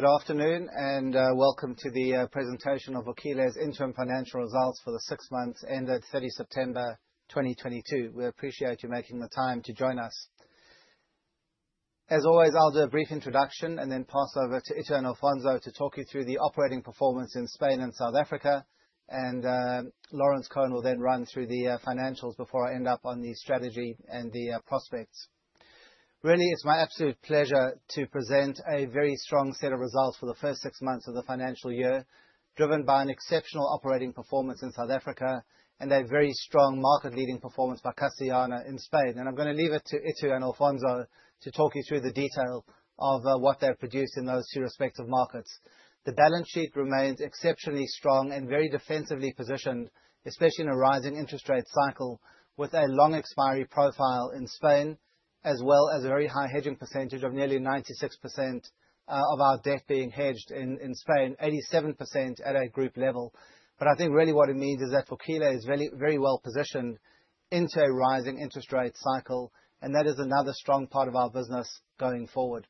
Good afternoon, welcome to the presentation of Vukile's Interim Financial Results for the six months ended 30 September 2022. We appreciate you making the time to join us. As always, I'll do a brief introduction and then pass over to Itu and Alfonso to talk you through the operating performance in Spain and South Africa. Laurence Cohen will then run through the financials before I end up on the strategy and the prospects. Really, it's my absolute pleasure to present a very strong set of results for the first six months of the financial year, driven by an exceptional operating performance in South Africa and a very strong market-leading performance by Castellana in Spain. I'm gonna leave it to Itu and Alfonso to talk you through the detail of what they produce in those two respective markets. The balance sheet remains exceptionally strong and very defensively positioned, especially in a rising interest rate cycle, with a long expiry profile in Spain, as well as a very high hedging percentage of nearly 96% of our debt being hedged in Spain. 87% at a group level. I think really what it means is that Vukile is very, very well positioned into a rising interest rate cycle, and that is another strong part of our business going forward.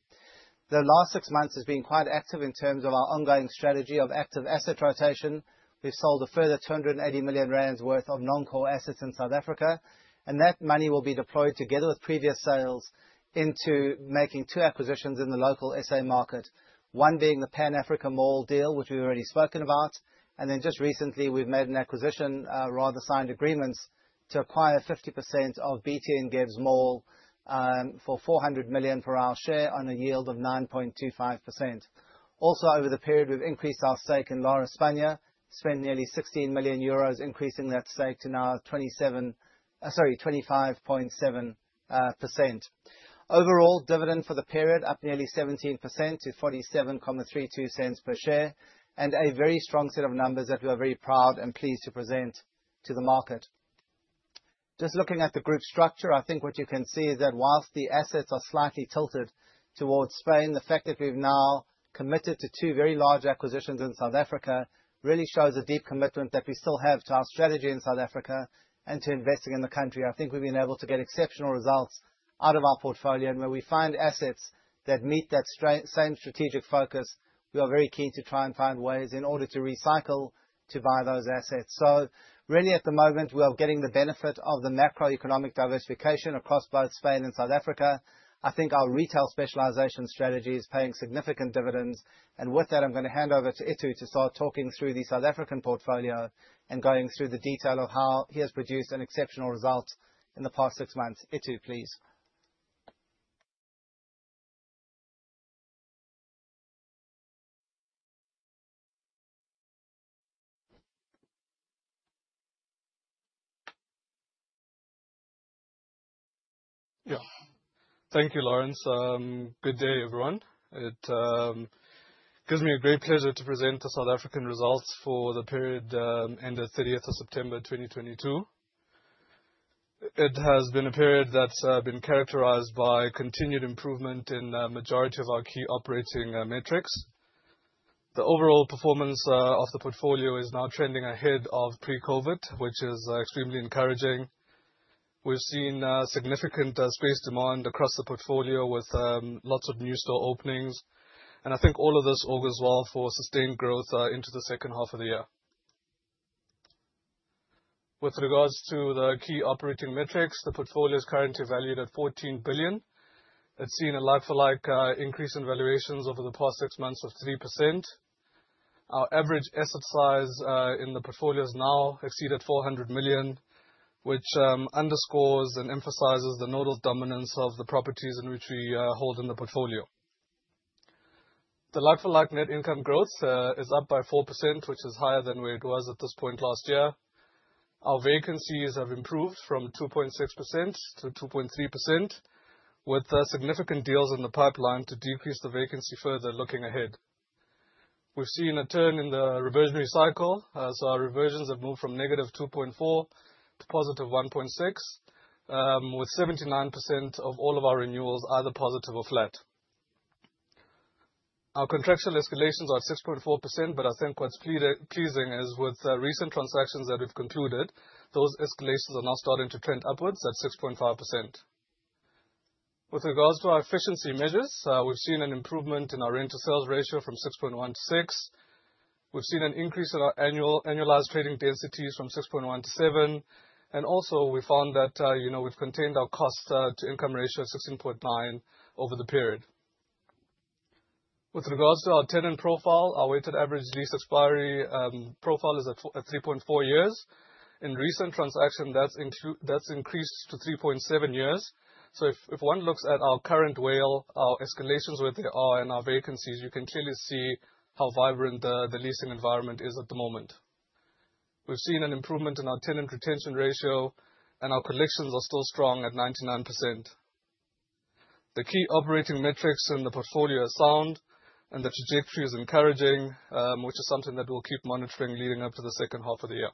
The last six months has been quite active in terms of our ongoing strategy of active asset rotation. We've sold a further 280 million rand worth of non-core assets in South Africa, and that money will be deployed together with previous sales into making two acquisitions in the local SA market. One being the Pan Africa Mall deal, which we've already spoken about, and then just recently, we've made an acquisition, rather signed agreements to acquire 50% of BT Ngebs City Mall for 400 million per our share on a yield of 9.25%. Over the period, we've increased our stake in Lar España, spent nearly 16 million euros increasing that stake to now 25.7%. Overall, dividend for the period up nearly 17% to 0.4732 per share, and a very strong set of numbers that we are very proud and pleased to present to the market. Just looking at the group structure, I think what you can see is that whilst the assets are slightly tilted towards Spain, the fact that we've now committed to two very large acquisitions in South Africa really shows a deep commitment that we still have to our strategy in South Africa and to investing in the country. I think we've been able to get exceptional results out of our portfolio. Where we find assets that meet that same strategic focus, we are very keen to try and find ways in order to recycle, to buy those assets. Really, at the moment, we are getting the benefit of the macroeconomic diversification across both Spain and South Africa. I think our retail specialization strategy is paying significant dividends. With that, I'm going to hand over to Itu to start talking through the South African portfolio and going through the detail of how he has produced an exceptional result in the past six months. Itu, please. Yeah. Thank you, Lawrence. Good day, everyone. It gives me a great pleasure to present the South African results for the period, end of 30th of September 2022. It has been a period that's been characterized by continued improvement in the majority of our key operating metrics. The overall performance of the portfolio is now trending ahead of pre-COVID, which is extremely encouraging. We've seen significant space demand across the portfolio with lots of new store openings, and I think all of this augurs well for sustained growth into the second half of the year. With regards to the key operating metrics, the portfolio is currently valued at 14 billion. It's seen a like-for-like increase in valuations over the past six months of 3%. Our average asset size in the portfolio has now exceeded 400 million, which underscores and emphasizes the nodal dominance of the properties in which we hold in the portfolio. The like for like net income growth is up by 4%, which is higher than where it was at this point last year. Our vacancies have improved from 2.6%-2.3%, with significant deals in the pipeline to decrease the vacancy further looking ahead. We've seen a turn in the reversionary cycle. Our reversions have moved from -2.4% to +1.6%, with 79% of all of our renewals either positive or flat. Our contractual escalations are at 6.4%. I think what's pleasing is with the recent transactions that we've concluded, those escalations are now starting to trend upwards at 6.5%. With regards to our efficiency measures, we've seen an improvement in our rent to sales ratio from 6.16. We've seen an increase in our annual, annualized trading densities from 6.1 to 7. Also we found that, you know, we've contained our cost to income ratio at 16.9 over the period. With regards to our tenant profile, our weighted average lease expiry profile is at 3.4 years. In recent transaction, that's increased to 3.7 years. If one looks at our current WALE, our escalations where they are, and our vacancies, you can clearly see how vibrant the leasing environment is at the moment. We've seen an improvement in our tenant retention ratio, and our collections are still strong at 99%. The key operating metrics in the portfolio are sound and the trajectory is encouraging, which is something that we'll keep monitoring leading up to the second half of the year.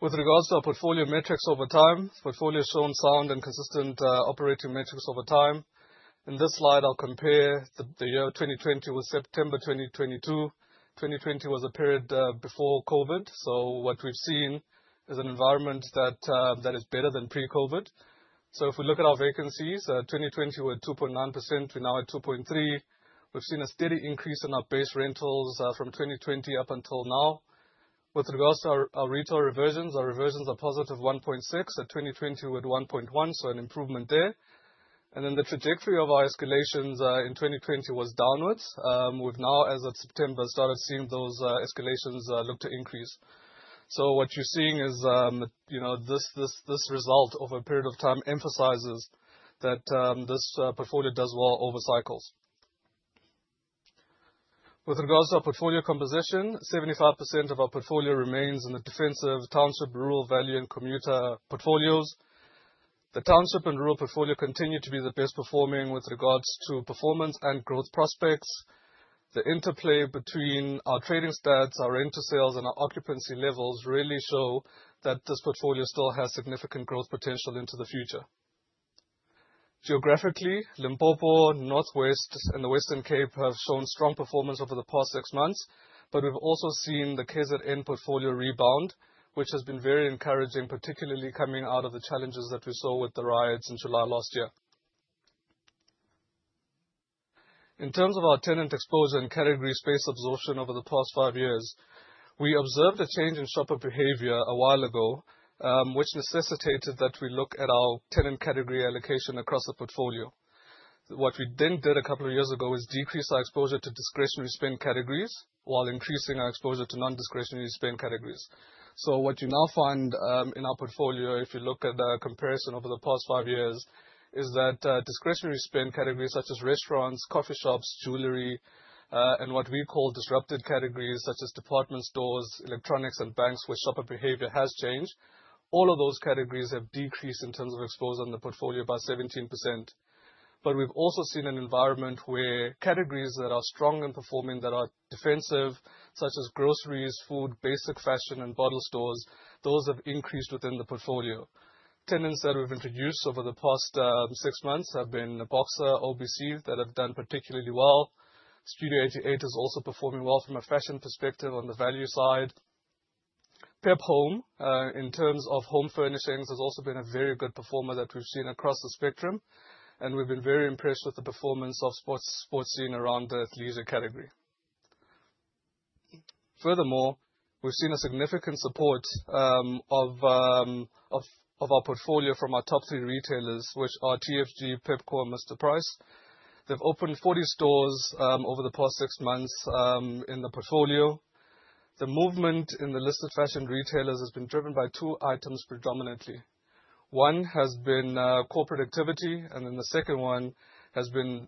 With regards to our portfolio metrics over time, portfolio has shown sound and consistent operating metrics over time. In this slide, I'll compare the year 2020 with September 2022. 2020 was a period before COVID. What we've seen is an environment that is better than pre-COVID. If we look at our vacancies, 2020 we were at 2.9%, we're now at 2.3%. We've seen a steady increase in our base rentals from 2020 up until now. With regards to our retail reversions, our reversions are positive 1.6%. At 2020 we were at 1.1%, so an improvement there. The trajectory of our escalations in 2020 was downwards. We've now, as of September, started seeing those escalations look to increase. What you're seeing is, you know, this result over a period of time emphasizes that this portfolio does well over cycles. With regards to our portfolio composition, 75% of our portfolio remains in the defensive township, rural value and commuter portfolios. The township and rural portfolio continue to be the best performing with regards to performance and growth prospects. The interplay between our trading stats, our rental sales and our occupancy levels really show that this portfolio still has significant growth potential into the future. Geographically, Limpopo, Northwest and the Western Cape have shown strong performance over the past six months. We've also seen the KZN portfolio rebound, which has been very encouraging, particularly coming out of the challenges that we saw with the riots in July last year. In terms of our tenant exposure and category space absorption over the past five years, we observed a change in shopper behavior a while ago, which necessitated that we look at our tenant category allocation across the portfolio. What we then did a couple of years ago is decrease our exposure to discretionary spend categories while increasing our exposure to non-discretionary spend categories. What you now find in our portfolio, if you look at the comparison over the past five years, is that discretionary spend categories such as restaurants, coffee shops, jewelry, and what we call disrupted categories such as department stores, electronics and banks, where shopper behavior has changed, all of those categories have decreased in terms of exposure in the portfolio by 17%. We've also seen an environment where categories that are strong and performing, that are defensive, such as groceries, food, basic fashion and bottle stores, those have increased within the portfolio. Tenants that we've introduced over the past six months have been Boxer, OBC, that have done particularly well. Studio 88 is also performing well from a fashion perspective on the value side. PEP Home, in terms of home furnishings, has also been a very good performer that we've seen across the spectrum, and we've been very impressed with the performance of Sportscene around the athlete category. Furthermore, we've seen a significant support of our portfolio from our top three retailers, which are TFG, PEPCO and Mr Price. They've opened 40 stores over the past six months in the portfolio. The movement in the list of fashion retailers has been driven by two items predominantly. One has been corporate activity, and then the second one has been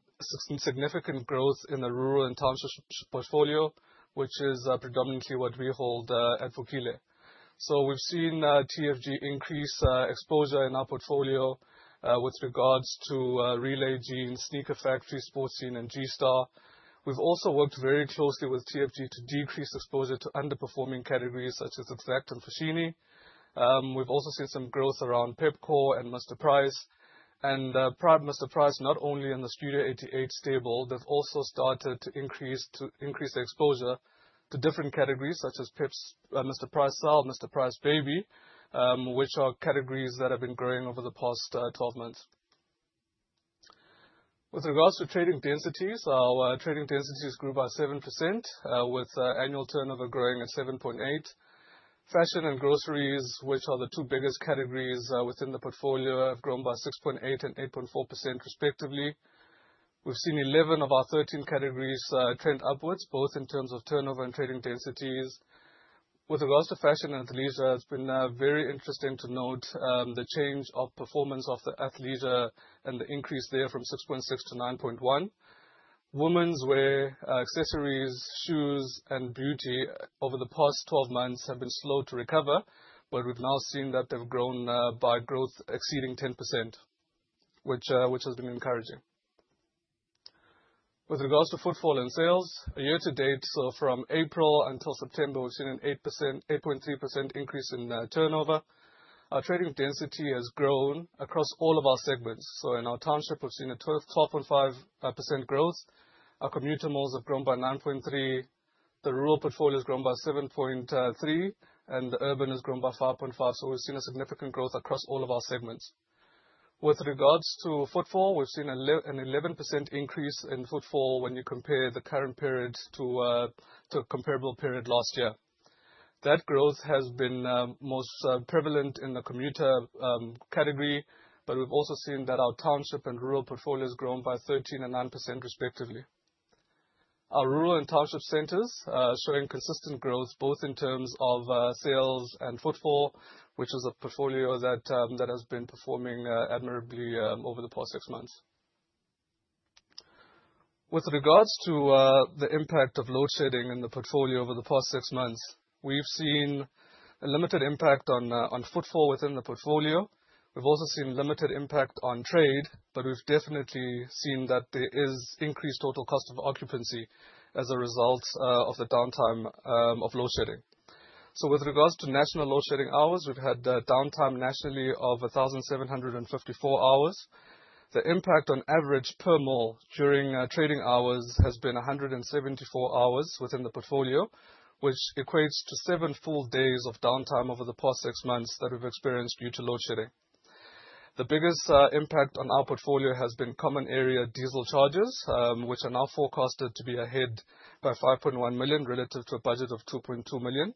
significant growth in the rural and township portfolio, which is predominantly what we hold at Vukile. We've seen TFG increase exposure in our portfolio, with regards to Relay Jeans, Sneaker Factory, Sportscene and G-Star. We've also worked very closely with TFG to decrease exposure to underperforming categories such as Exact and Foschini. We've also seen some growth around PEPCO and Mr. Price. Mr. Price, not only in the Studio 88 stable, they've also started to increase exposure to different categories such as PEP's, Mr. Price Cell, Mr. Price Baby, which are categories that have been growing over the past 12 months. With regards to trading densities, our trading densities grew by 7%, with annual turnover growing at 7.8%. Fashion and groceries, which are the two biggest categories, within the portfolio, have grown by 6.8% and 8.4% respectively. We've seen 11 of our 13 categories trend upwards, both in terms of turnover and trading densities. With regards to fashion and athleisure, it's been very interesting to note the change of performance of the athleisure and the increase there from 6.6%-9.1%. Women's wear, accessories, shoes and beauty over the past 12 months have been slow to recover. We've now seen that they've grown by growth exceeding 10%, which has been encouraging. With regards to footfall and sales year to date, from April until September, we've seen an 8%, 8.2% increase in turnover. Our trading density has grown across all of our segments. In our township, we've seen a 12.5% growth. Our commuter malls have grown by 9.3%. The rural portfolio has grown by 7.3%, the urban has grown by 5.5%. We've seen a significant growth across all of our segments. With regards to footfall, we've seen an 11% increase in footfall when you compare the current period to a comparable period last year. That growth has been most prevalent in the commuter category, we've also seen that our township and rural portfolio has grown by 13% and 9% respectively. Our rural and township centers are showing consistent growth, both in terms of sales and footfall, which is a portfolio that has been performing admirably over the past six months. With regards to the impact of load shedding in the portfolio over the past six months, we've seen a limited impact on footfall within the portfolio. We've also seen limited impact on trade, we've definitely seen that there is increased total cost of occupancy as a result of the downtime of load shedding. With regards to national load shedding hours, we've had downtime nationally of 1,754 hours. The impact on average per mall during trading hours has been 174 hours within the portfolio, which equates to seven full days of downtime over the past six months that we've experienced due to load shedding. The biggest impact on our portfolio has been common area diesel charges, which are now forecasted to be ahead by 5.1 million relative to a budget of 2.2 million.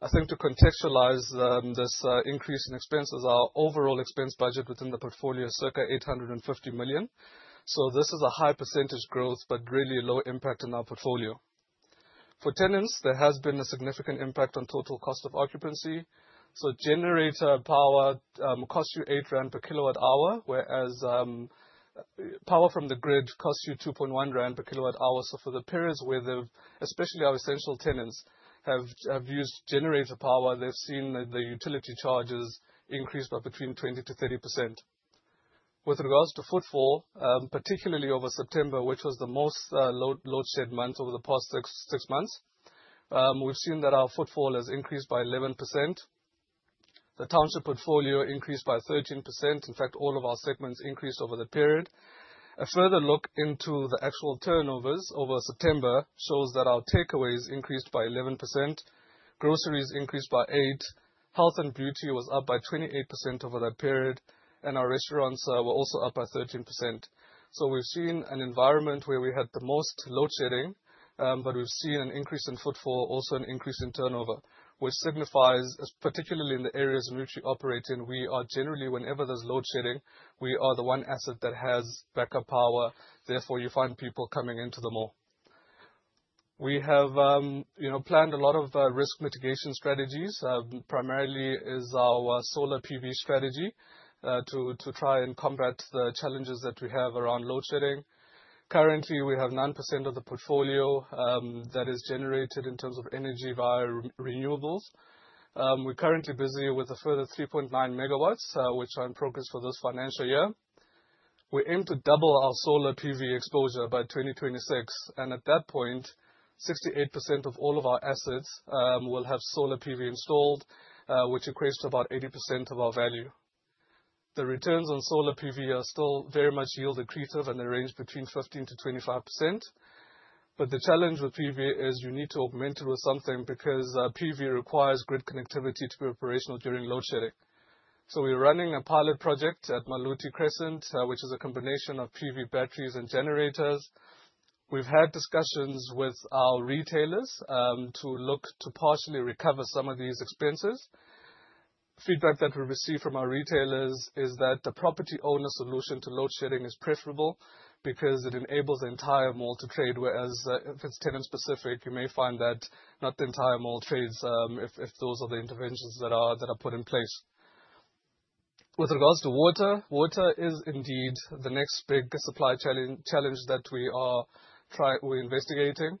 I think to contextualize this increase in expenses, our overall expense budget within the portfolio is circa 850 million. This is a high percentage growth, but really low impact on our portfolio. For tenants, there has been a significant impact on total cost of occupancy. Generator power costs you 8 rand per kWh, whereas power from the grid costs you 2.1 rand per kWh. For the periods where especially our essential tenants have used generator power, they've seen the utility charges increase by between 20%-30%. With regards to footfall, particularly over September, which was the most load shed month over the past six months, we've seen that our footfall has increased by 11%. The township portfolio increased by 13%. In fact, all of our segments increased over the period. A further look into the actual turnovers over September shows that our takeaways increased by 11%, groceries increased by 8%, health and beauty was up by 28% over that period, and our restaurants were also up by 13%. We've seen an environment where we had the most load shedding, but we've seen an increase in footfall, also an increase in turnover, which signifies, particularly in the areas in which we operate in, we are generally, whenever there's load shedding, we are the one asset that has backup power, therefore you find people coming into the mall. We have, you know, planned a lot of risk mitigation strategies. Primarily is our solar PV strategy to try and combat the challenges that we have around load shedding. Currently, we have 9% of the portfolio that is generated in terms of energy via renewables. We're currently busy with a further 3.9 MW which are in progress for this financial year. We aim to double our solar PV exposure by 2026, at that point, 68% of all of our assets will have solar PV installed, which equates to about 80% of our value. The returns on solar PV are still very much yield accretive and they range between 15%-25%. The challenge with PV is you need to augment it with something because PV requires grid connectivity to be operational during load shedding. We're running a pilot project at Maluti Crescent which is a combination of PV batteries and generators. We've had discussions with our retailers to look to partially recover some of these expenses. Feedback that we receive from our retailers is that the property owner solution to load shedding is preferable because it enables the entire mall to trade, whereas, if it's tenant-specific, you may find that not the entire mall trades, if those are the interventions that are put in place. With regards to water is indeed the next big supply challenge that we are investigating.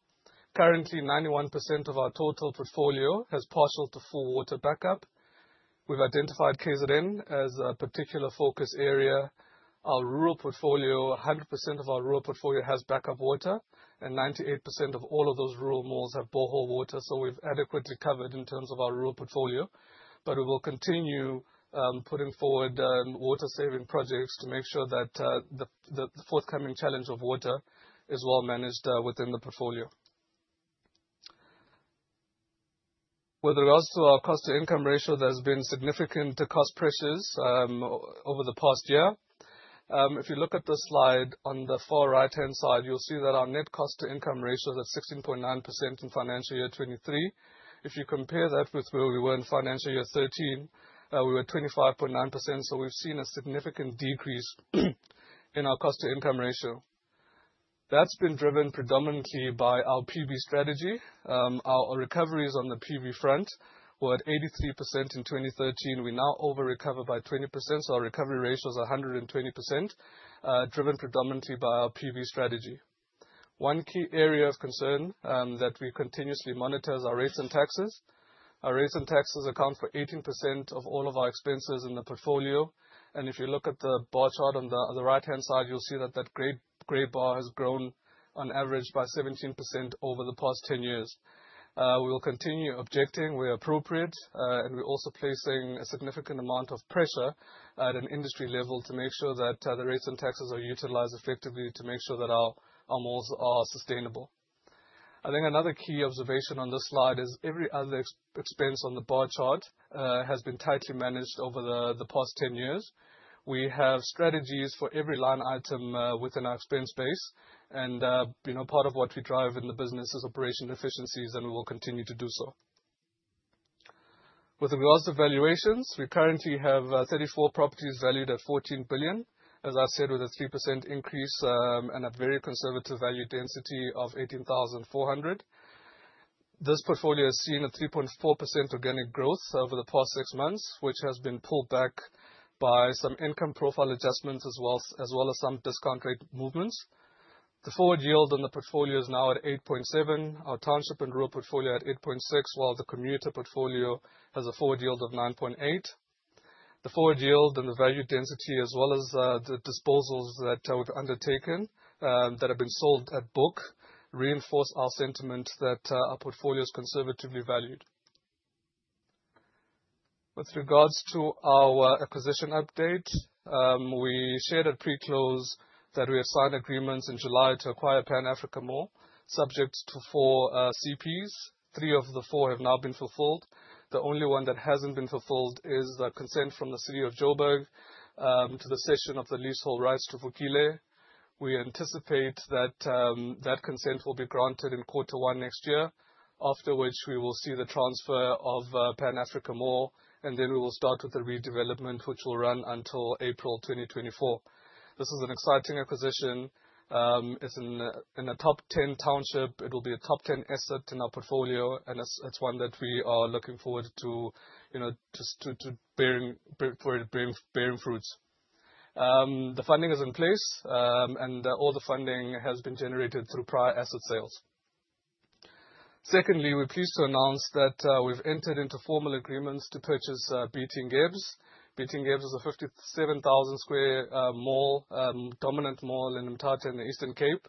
Currently, 91% of our total portfolio has partial to full water backup. We've identified KZN as a particular focus area. Our rural portfolio, 100% of our rural portfolio has backup water, and 98% of all of those rural malls have borehole water, so we've adequately covered in terms of our rural portfolio. We will continue putting forward water-saving projects to make sure that the forthcoming challenge of water is well managed within the portfolio. With regards to our cost-to-income ratio, there's been significant cost pressures over the past year. If you look at the slide on the far right-hand side, you'll see that our net cost-to-income ratio is at 16.9% in financial year 2023. If you compare that with where we were in financial year 2013, we were 25.9%, so we've seen a significant decrease in our cost-to-income ratio. That's been driven predominantly by our PV strategy. Our recoveries on the PV front were at 83% in 2013. We now over-recover by 20%, so our recovery ratio is 120%, driven predominantly by our PV strategy. One key area of concern that we continuously monitor is our rates and taxes. Our rates and taxes account for 18% of all of our expenses in the portfolio. If you look at the bar chart on the right-hand side, you'll see that that gray bar has grown on average by 17% over the past 10 years. We will continue objecting where appropriate, and we're also placing a significant amount of pressure at an industry level to make sure that the rates and taxes are utilized effectively to make sure that our malls are sustainable. I think another key observation on this slide is every other expense on the bar chart has been tightly managed over the past 10 years. We have strategies for every line item, within our expense base and, you know, part of what we drive in the business is operational efficiencies, and we'll continue to do so. With regards to valuations, we currently have 34 properties valued at 14 billion, as I said, with a 3% increase, and a very conservative value density of 18,400. This portfolio has seen a 3.4% organic growth over the past six months, which has been pulled back by some income profile adjustments, as well as some discount rate movements. The forward yield on the portfolio is now at 8.7%. Our township and rural portfolio at 8.6%, while the commuter portfolio has a forward yield of 9.8%. The forward yield and the value density as well as the disposals that we've undertaken, that have been sold at book, reinforce our sentiment that our portfolio is conservatively valued. With regards to our acquisition update, we shared at pre-close that we assigned agreements in July to acquire Pan Africa Mall, subject to 4 CPs. Three of the four have now been fulfilled. The only one that hasn't been fulfilled is the consent from the City of Joburg to the cession of the leasehold rights to Vukile. We anticipate that consent will be granted in quarter one next year, after which we will see the transfer of Pan Africa Mall, and then we will start with the redevelopment, which will run until April 2024. This is an exciting acquisition. It's in a top 10 township. It will be a top 10 asset in our portfolio. It's one that we are looking forward to, you know, to bearing fruits. The funding is in place, and all the funding has been generated through prior asset sales. Secondly, we're pleased to announce that we've entered into formal agreements to purchase BT Ngebs City. BT Ngebs City is a 57,000 square mall, dominant mall in Mthatha in the Eastern Cape.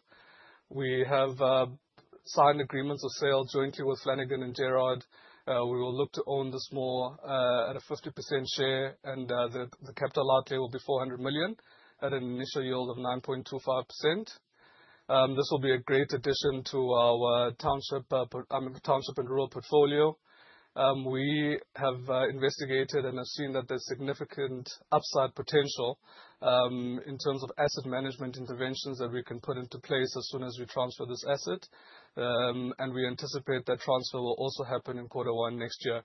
We have signed agreements of sale jointly with Flanagan & Gerard. We will look to own this mall at a 50% share and the capital outlay will be 400 million at an initial yield of 9.25%. This will be a great addition to our township, I mean, township and rural portfolio. We have investigated and have seen that there's significant upside potential in terms of asset management interventions that we can put into place as soon as we transfer this asset. We anticipate that transfer will also happen in quarter one next year.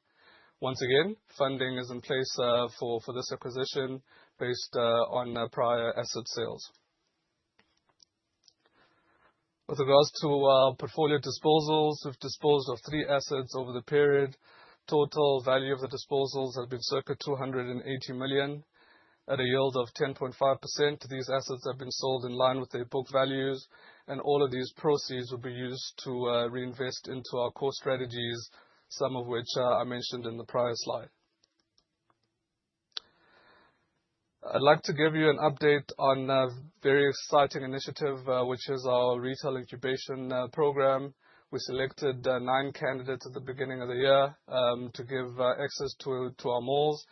Once again, funding is in place for this acquisition based on prior asset sales. With regards to our portfolio disposals, we've disposed of three assets over the period. Total value of the disposals has been circa 280 million at a yield of 10.5%. These assets have been sold in line with their book values, all of these proceeds will be used to reinvest into our core strategies, some of which I mentioned in the prior slide. I'd like to give you an update on a very exciting initiative, which is our retail incubation program. We selected nine candidates at the beginning of the year to give access to our malls.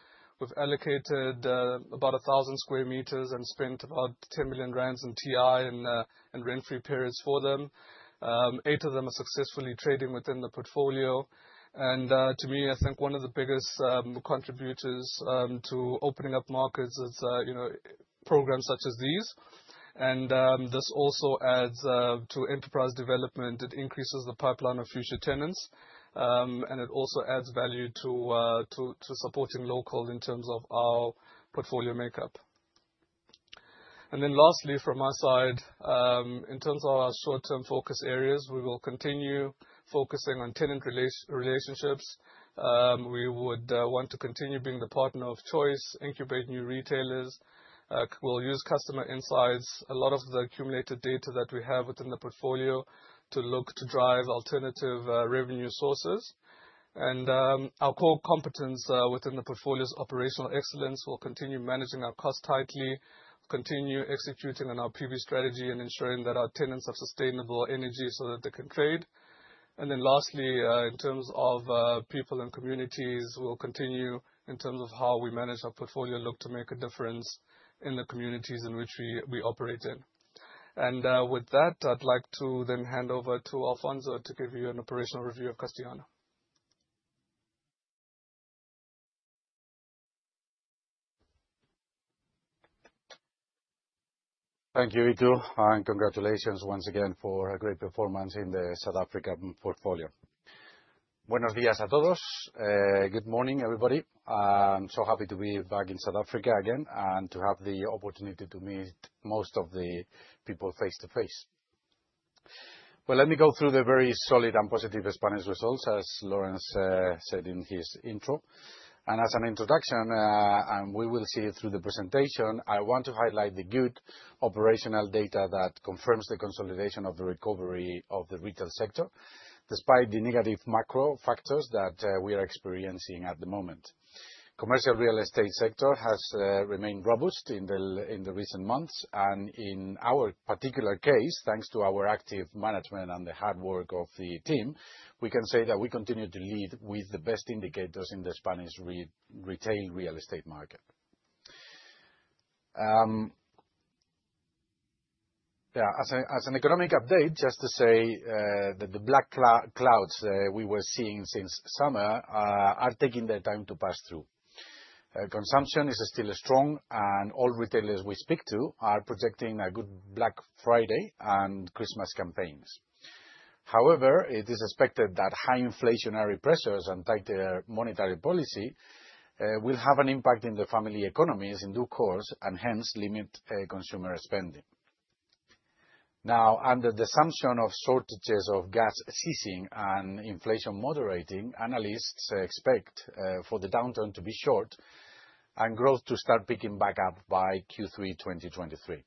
We've allocated about 1,000 sqm and spent about 10 million rand in TI and rent-free periods for them. Eight of them are successfully trading within the portfolio. To me, I think one of the biggest contributors to opening up markets is, you know, programs such as these. This also adds to enterprise development. It increases the pipeline of future tenants. It also adds value to supporting local in terms of our portfolio makeup. Lastly, from my side, in terms of our short-term focus areas, we will continue focusing on tenant relationships. We would want to continue being the partner of choice, incubate new retailers. We'll use customer insights, a lot of the accumulated data that we have within the portfolio to look to drive alternative revenue sources. Our core competence within the portfolio's operational excellence, we'll continue managing our cost tightly, continue executing on our PV strategy and ensuring that our tenants have sustainable energy so that they can trade. Lastly, in terms of people and communities, we'll continue in terms of how we manage our portfolio, look to make a difference in the communities in which we operate in. With that, I'd like to then hand over to Alfonso to give you an operational review of Castellana. Thank you, Itumeleng, and congratulations once again for a great performance in the South African portfolio. Buenos días a todos. Good morning, everybody. I'm so happy to be back in South Africa again and to have the opportunity to meet most of the people face to face. Well, let me go through the very solid and positive Spanish results, as Lawrence said in his intro. As an introduction, and we will see it through the presentation, I want to highlight the good operational data that confirms the consolidation of the recovery of the retail sector, despite the negative macro factors that we are experiencing at the moment. Commercial real estate sector has remained robust in the recent months. In our particular case, thanks to our active management and the hard work of the team, we can say that we continue to lead with the best indicators in the Spanish retail real estate market. Yeah, as a, as an economic update, just to say that the black clouds that we were seeing since summer are taking their time to pass through. Consumption is still strong and all retailers we speak to are projecting a good Black Friday and Christmas campaigns. However, it is expected that high inflationary pressures and tighter monetary policy will have an impact in the family economies in due course and hence limit consumer spending. Now, under the assumption of shortages of gas ceasing and inflation moderating, analysts expect for the downturn to be short and growth to start picking back up by Q3 2023.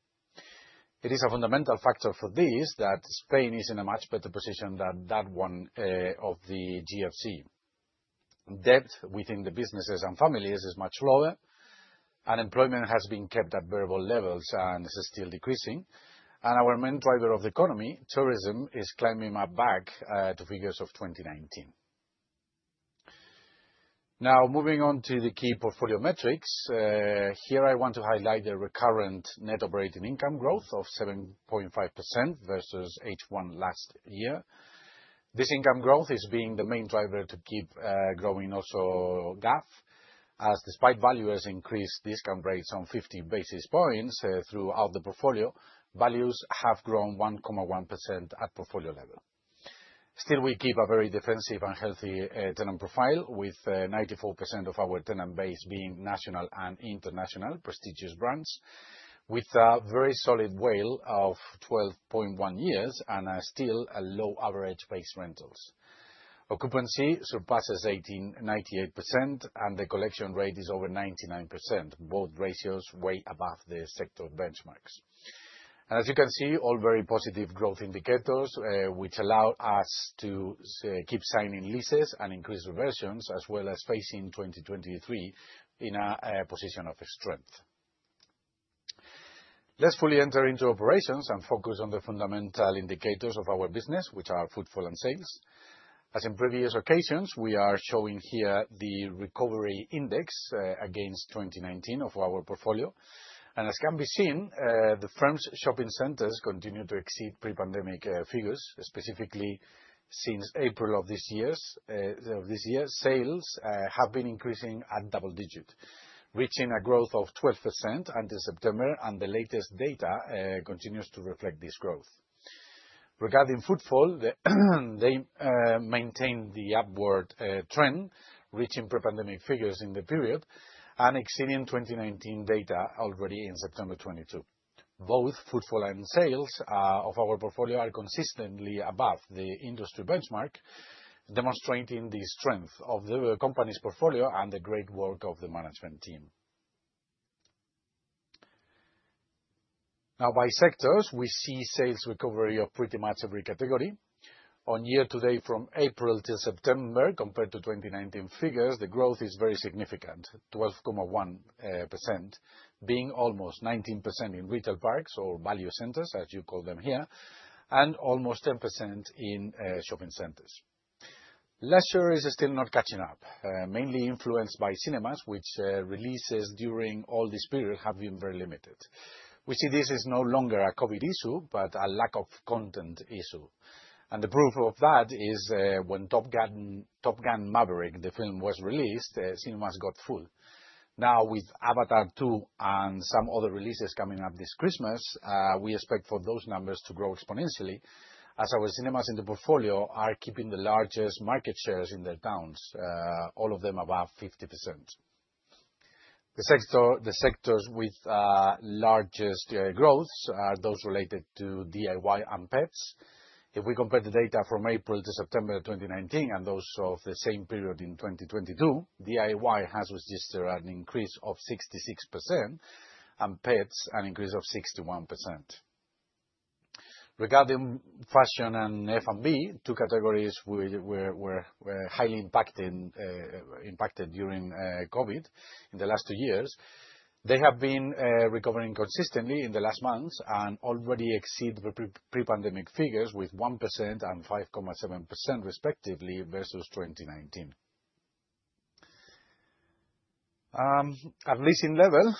It is a fundamental factor for this that Spain is in a much better position than that one of the GFC. Debt within the businesses and families is much lower. Unemployment has been kept at variable levels and is still decreasing. Our main driver of the economy, tourism, is climbing back to figures of 2019. Now, moving on to the key portfolio metrics. Here I want to highlight the recurrent net operating income growth of 7.5% versus H1 last year. This income growth is being the main driver to keep growing also GAV, as despite valuers increased discount rates on 50 basis points throughout the portfolio, values have grown 1.1% at portfolio level. Still, we keep a very defensive and healthy tenant profile, with 94% of our tenant base being national and international prestigious brands, with a very solid WALE of 12.1 years and still a low average base rentals. Occupancy surpasses 98%, and the collection rate is over 99%, both ratios way above the sector benchmarks. As you can see, all very positive growth indicators, which allow us to keep signing leases and increase reversions, as well as facing 2023 in a position of strength. Let's fully enter into operations and focus on the fundamental indicators of our business, which are footfall and sales. As in previous occasions, we are showing here the recovery index against 2019 of our portfolio. As can be seen, the firm's shopping centers continue to exceed pre-pandemic figures. Specifically, since April of this year, sales have been increasing at double-digit, reaching a growth of 12% until September. The latest data continues to reflect this growth. Regarding footfall, they maintain the upward trend, reaching pre-pandemic figures in the period and exceeding 2019 data already in September 2022. Both footfall and sales of our portfolio are consistently above the industry benchmark, demonstrating the strength of the company's portfolio and the great work of the management team. By sectors, we see sales recovery of pretty much every category. On year-to-date, from April till September, compared to 2019 figures, the growth is very significant, 12.1%, being almost 19% in retail parks or value centers, as you call them here, and almost 10% in shopping centers. Leisure is still not catching up, mainly influenced by cinemas, which, releases during all this period have been very limited. We see this as no longer a COVID issue, but a lack of content issue. The proof of that is, when Top Gun: Maverick, the film, was released, cinemas got full. With Avatar Two and some other releases coming up this Christmas, we expect for those numbers to grow exponentially as our cinemas in the portfolio are keeping the largest market shares in their towns, all of them above 50%. The sectors with largest growth are those related to DIY and pets. If we compare the data from April to September of 2019 and those of the same period in 2022, DIY has registered an increase of 66%, and pets an increase of 61%. Regarding fashion and F&B, two categories were highly impacted during COVID in the last two years, they have been recovering consistently in the last months and already exceed the pre-pandemic figures with 1% and 5.7% respectively versus 2019. At leasing level,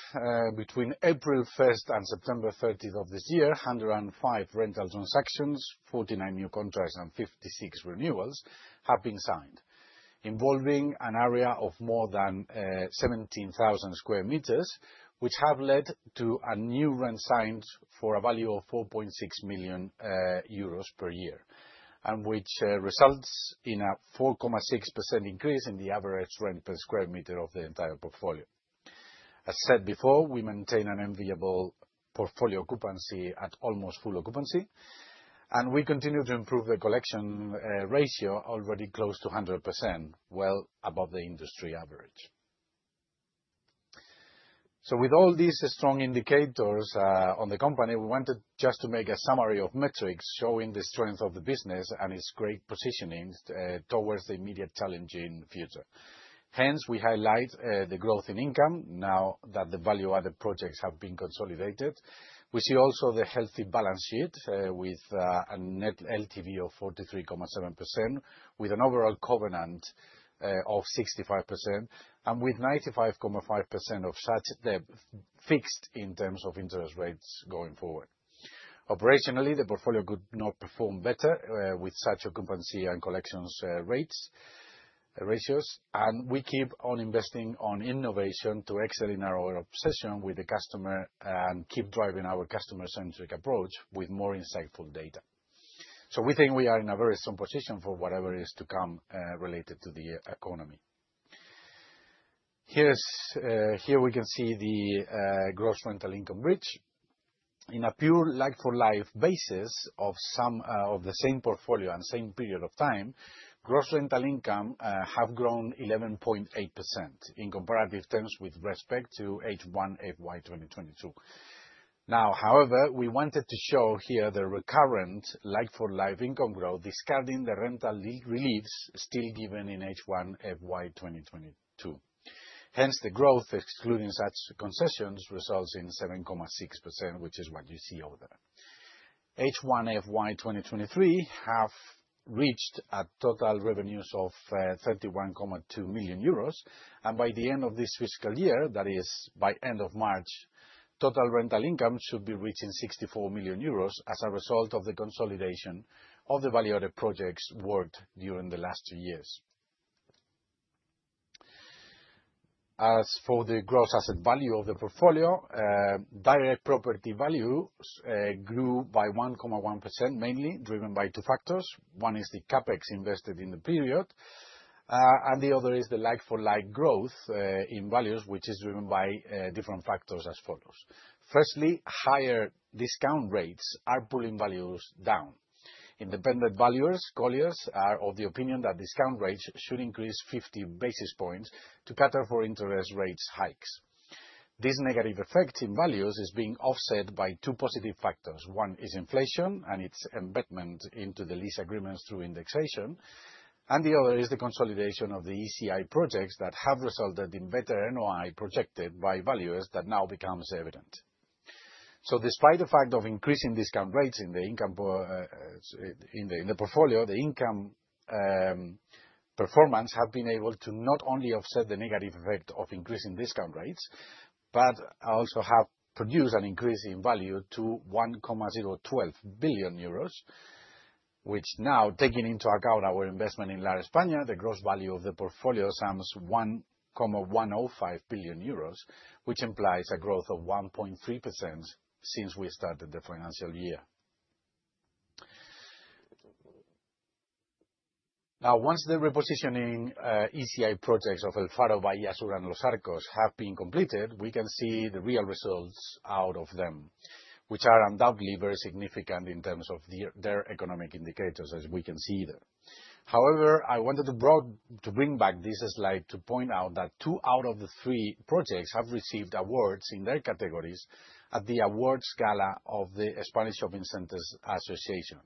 between April first and September thirtieth of this year, 105 rental transactions, 49 new contracts, and 56 renewals have been signed, involving an area of more than 17,000 sqm, which have led to a new rent signed for a value of 4.6 million euros per year, and which results in a 4.6% increase in the average rent per sqm of the entire portfolio. As said before, we maintain an enviable portfolio occupancy at almost full occupancy, and we continue to improve the collection ratio already close to 100%, well above the industry average. With all these strong indicators on the company, we wanted just to make a summary of metrics showing the strength of the business and its great positioning towards the immediate challenging future. Hence, we highlight the growth in income now that the value-added projects have been consolidated. We see also the healthy balance sheet with a net LTV of 43.7%, with an overall covenant of 65%, and with 95.5% of such debt fixed in terms of interest rates going forward. Operationally, the portfolio could not perform better, with such occupancy and collections, rates, ratios. We keep on investing on innovation to excel in our obsession with the customer and keep driving our customer-centric approach with more insightful data. We think we are in a very strong position for whatever is to come, related to the economy. Here's, here we can see the gross rental income bridge. In a pure like-for-like basis of some of the same portfolio and same period of time, gross rental income have grown 11.8% in comparative terms with respect to H1 FY 2022. However, we wanted to show here the recurrent like-for-like income growth, discarding the rental relieves still given in H1 FY 2022. The growth, excluding such concessions, results in 7.6%, which is what you see over there. H1 FY 2023 have reached a total revenues of 31.2 million euros. By the end of this fiscal year, that is by end of March, total rental income should be reaching 64 million euros as a result of the consolidation of the value-added projects worked during the last two years. As for the gross asset value of the portfolio, direct property values grew by 1.1%, mainly driven by two factors. One is the CapEx invested in the period, and the other is the like-for-like growth in values, which is driven by different factors as follows. Firstly, higher discount rates are pulling values down. Independent valuers, Colliers, are of the opinion that discount rates should increase 50 basis points to cater for interest rates hikes. This negative effect in values is being offset by two positive factors. One is inflation and its embedment into the lease agreements through indexation, and the other is the consolidation of the ECI projects that have resulted in better NOI projected by valuers that now becomes evident. Despite the fact of increasing discount rates in the portfolio, the income performance have been able to not only offset the negative effect of increasing discount rates, but also have produced an increase in value to 1.012 billion euros, which now, taking into account our investment in Lar España, the gross value of the portfolio sums 1.105 billion euros, which implies a growth of 1.3% since we started the financial year. Once the repositioning ECI projects of El Faro, Bahía Azul, and Los Arcos have been completed, we can see the real results out of them, which are undoubtedly very significant in terms of their economic indicators, as we can see there. I wanted to bring back this slide to point out that two out of the three projects have received awards in their categories at the awards gala of the Spanish Shopping Centers Association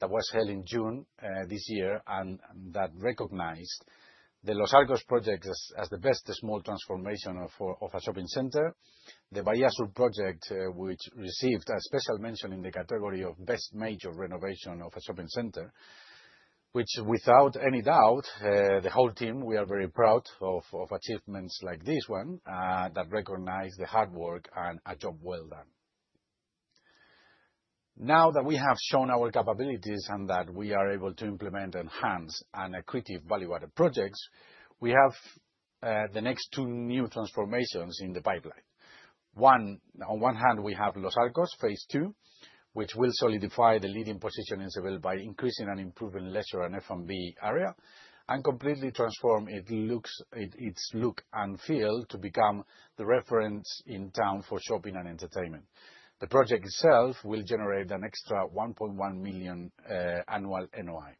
that was held in June this year and that recognized the Los Arcos project as the best small transformation of a shopping center. The Bahía Azul project, which received a special mention in the category of best major renovation of a shopping center, which without any doubt, the whole team, we are very proud of achievements like this one that recognize the hard work and a job well done. That we have shown our capabilities and that we are able to implement, enhance, and acquitive value-added projects, we have the next two new transformations in the pipeline. One, on one hand, we have Los Arcos phase II, which will solidify the leading position in Seville by increasing and improving leisure and F&B area and completely transform its look and feel to become the reference in town for shopping and entertainment. The project itself will generate an extra 1.1 million annual NOI.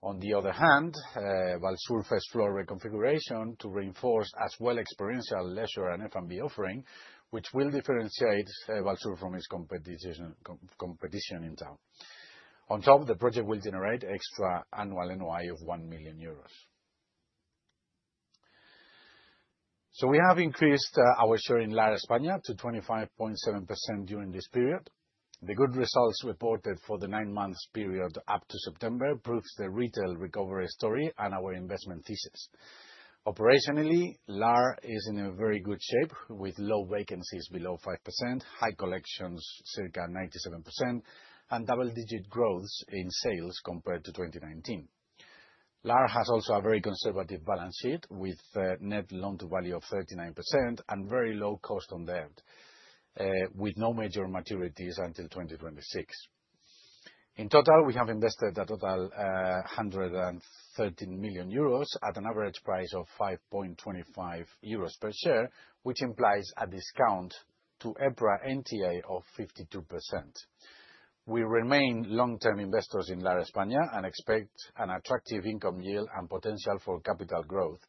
On the other hand, Valsur first floor reconfiguration to reinforce as well experiential leisure and F&B offering, which will differentiate Valsur from its competition in town. On top, the project will generate extra annual NOI of 1 million euros. We have increased our share in Lar España to 25.7% during this period. The good results reported for the nine-month period up to September proves the retail recovery story and our investment thesis. Operationally, Lar is in a very good shape with low vacancies below 5%, high collections circa 97%, and double-digit growths in sales compared to 2019. Lar has also a very conservative balance sheet with net loan-to-value of 39% and very low cost on debt with no major maturities until 2026. In total, we have invested a total 113 million euros at an average price of 5.25 euros per share, which implies a discount to EPRA NTA of 52%. We remain long-term investors in Lar España and expect an attractive income yield and potential for capital growth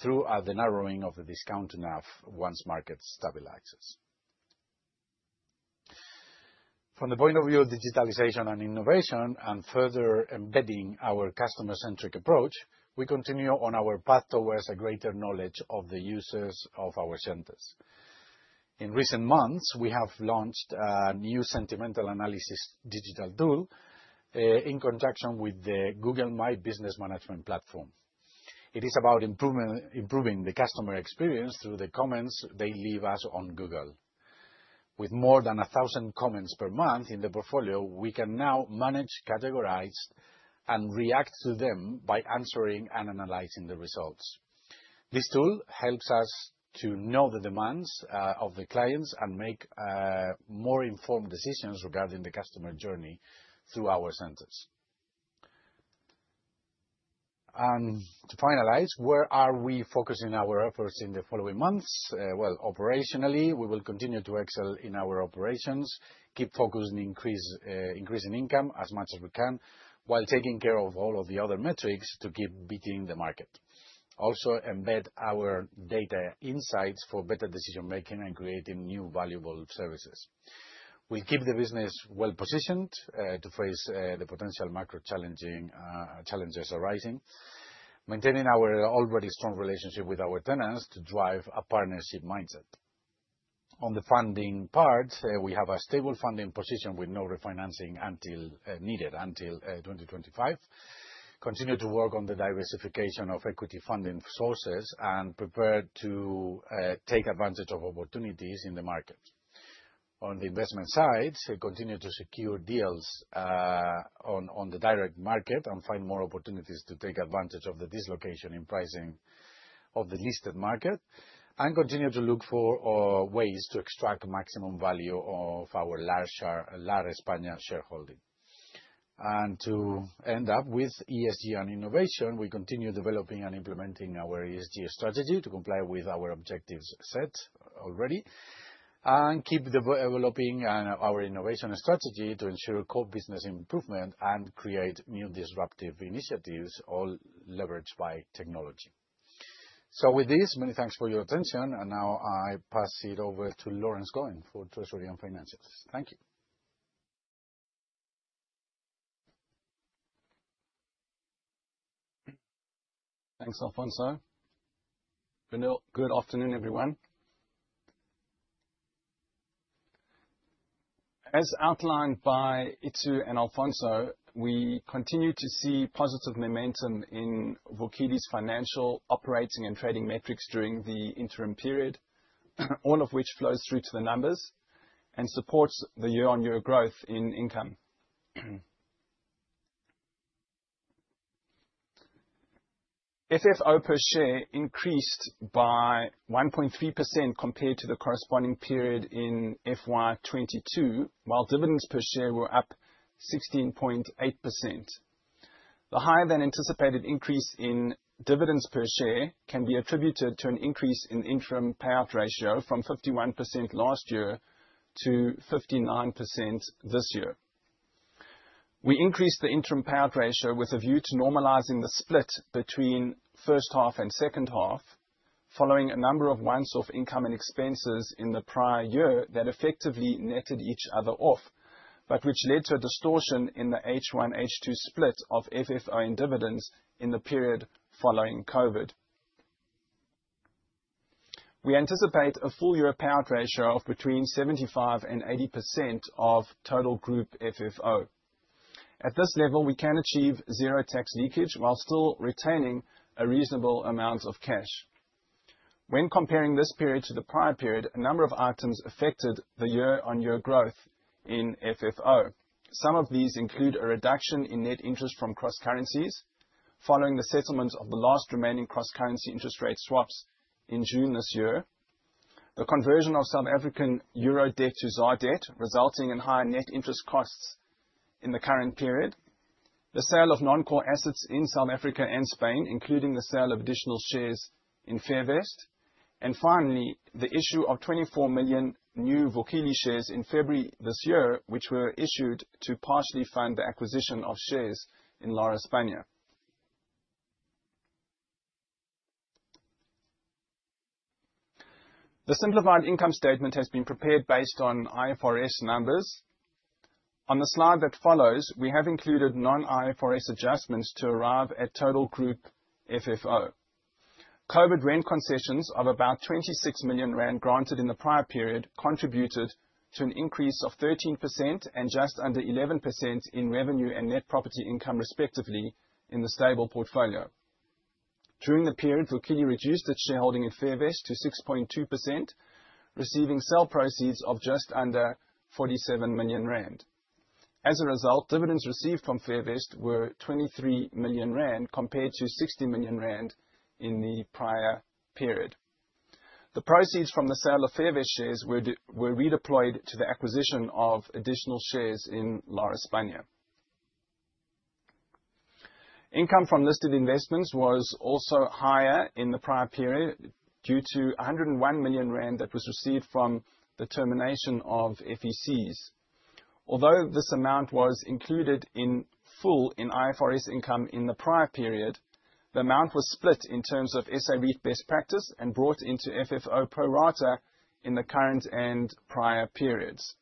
through the narrowing of the discount NAV once market stabilizes. From the point of view of digitalization and innovation and further embedding our customer-centric approach, we continue on our path towards a greater knowledge of the users of our centers. In recent months, we have launched a new sentiment analysis digital tool in conjunction with the Google My Business management platform. It is about improving the customer experience through the comments they leave us on Google. With more than 1,000 comments per month in the portfolio, we can now manage, categorize, and react to them by answering and analyzing the results. This tool helps us to know the demands of the clients and make more informed decisions regarding the customer journey through our centers. To finalize, where are we focusing our efforts in the following months? Well, operationally, we will continue to excel in our operations, keep focused on increasing income as much as we can, while taking care of all of the other metrics to keep beating the market. Also embed our data insights for better decision-making and creating new valuable services. We keep the business well-positioned, to face, the potential macro challenging, challenges arising, maintaining our already strong relationship with our tenants to drive a partnership mindset. On the funding part, we have a stable funding position with no refinancing until, needed, until, 2025. Continue to work on the diversification of equity funding sources, and prepare to, take advantage of opportunities in the market. On the investment side, continue to secure deals, on the direct market and find more opportunities to take advantage of the dislocation in pricing of the listed market and continue to look for, ways to extract maximum value of our Lar España shareholding. To end up with ESG and innovation, we continue developing and implementing our ESG strategy to comply with our objectives set already and keep developing and our innovation strategy to ensure core business improvement and create new disruptive initiatives, all leveraged by technology. With this, many thanks for your attention. Now I pass it over to Laurence Cohen for treasury and financials. Thank you. Thanks, Alfonso. Good afternoon, everyone. As outlined by Itu and Alfonso, we continue to see positive momentum in Vukile's financial operating and trading metrics during the interim period, all of which flows through to the numbers and supports the year-on-year growth in income. FFO per share increased by 1.3% compared to the corresponding period in FY 2022, while dividends per share were up 16.8%. The higher than anticipated increase in dividends per share can be attributed to an increase in interim payout ratio from 51% last year to 59% this year. We increased the interim payout ratio with a view to normalizing the split between first half and second half, following a number of one-off income and expenses in the prior year that effectively netted each other off, but which led to a distortion in the H1, H2 split of FFO and dividends in the period following COVID. We anticipate a full year payout ratio of between 75% and 80% of total group FFO. At this level, we can achieve zero tax leakage while still retaining a reasonable amount of cash. When comparing this period to the prior period, a number of items affected the year-on-year growth in FFO. Some of these include a reduction in net interest from cross currencies following the settlement of the last remaining cross currency interest rate swaps in June this year. The conversion of South African EUR debt to ZAR debt, resulting in higher net interest costs in the current period. The sale of non-core assets in South Africa and Spain, including the sale of additional shares in Fairvest. Finally, the issue of 24 million new Vukile shares in February this year, which were issued to partially fund the acquisition of shares in Lar España. The simplified income statement has been prepared based on IFRS numbers. On the slide that follows, we have included non-IFRS adjustments to arrive at total group FFO. COVID rent concessions of about 26 million rand granted in the prior period contributed to an increase of 13% and just under 11% in revenue and net property income, respectively, in the stable portfolio. During the period, Vukile reduced its shareholding in Fairvest to 6.2%, receiving sell proceeds of just under 47 million rand. As a result, dividends received from Fairvest were 23 million rand, compared to 60 million rand in the prior period. The proceeds from the sale of Fairvest shares were redeployed to the acquisition of additional shares in Lar España. Income from listed investments was also higher in the prior period due to 101 million rand that was received from the termination of FECs. Although this amount was included in full in IFRS income in the prior period, the amount was split in terms of SA REIT best practice and brought into FFO pro rata in the current and prior periods.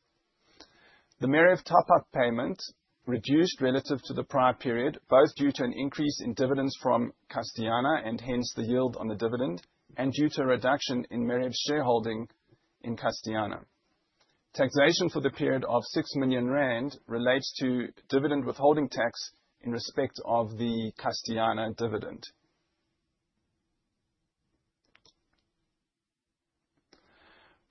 The Mereo top-up payment reduced relative to the prior period, both due to an increase in dividends from Castellana and hence the yield on the dividend, and due to a reduction in Mereo's shareholding in Castellana. Taxation for the period of 6 million rand relates to dividend withholding tax in respect of the Castellana dividend.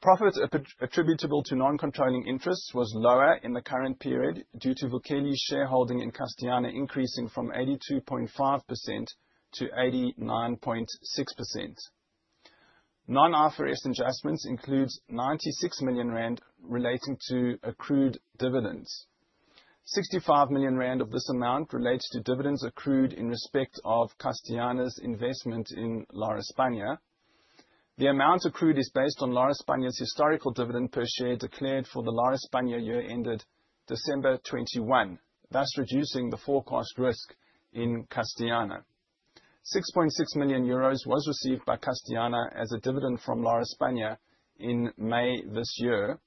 Profits attributable to non-controlling interests was lower in the current period due to Vukile's shareholding in Castellana increasing from 82.5%-89.6%. Non-IFRS adjustments includes 96 million rand relating to accrued dividends. 65 million rand of this amount relates to dividends accrued in respect of Castellana's investment in Lar España. The amount accrued is based on Lar España's historical dividend per share declared for the Lar España year ended December 21, thus reducing the forecast risk in Castellana. 6.6 million euros was received by Castellana as a dividend from Lar España in May this year.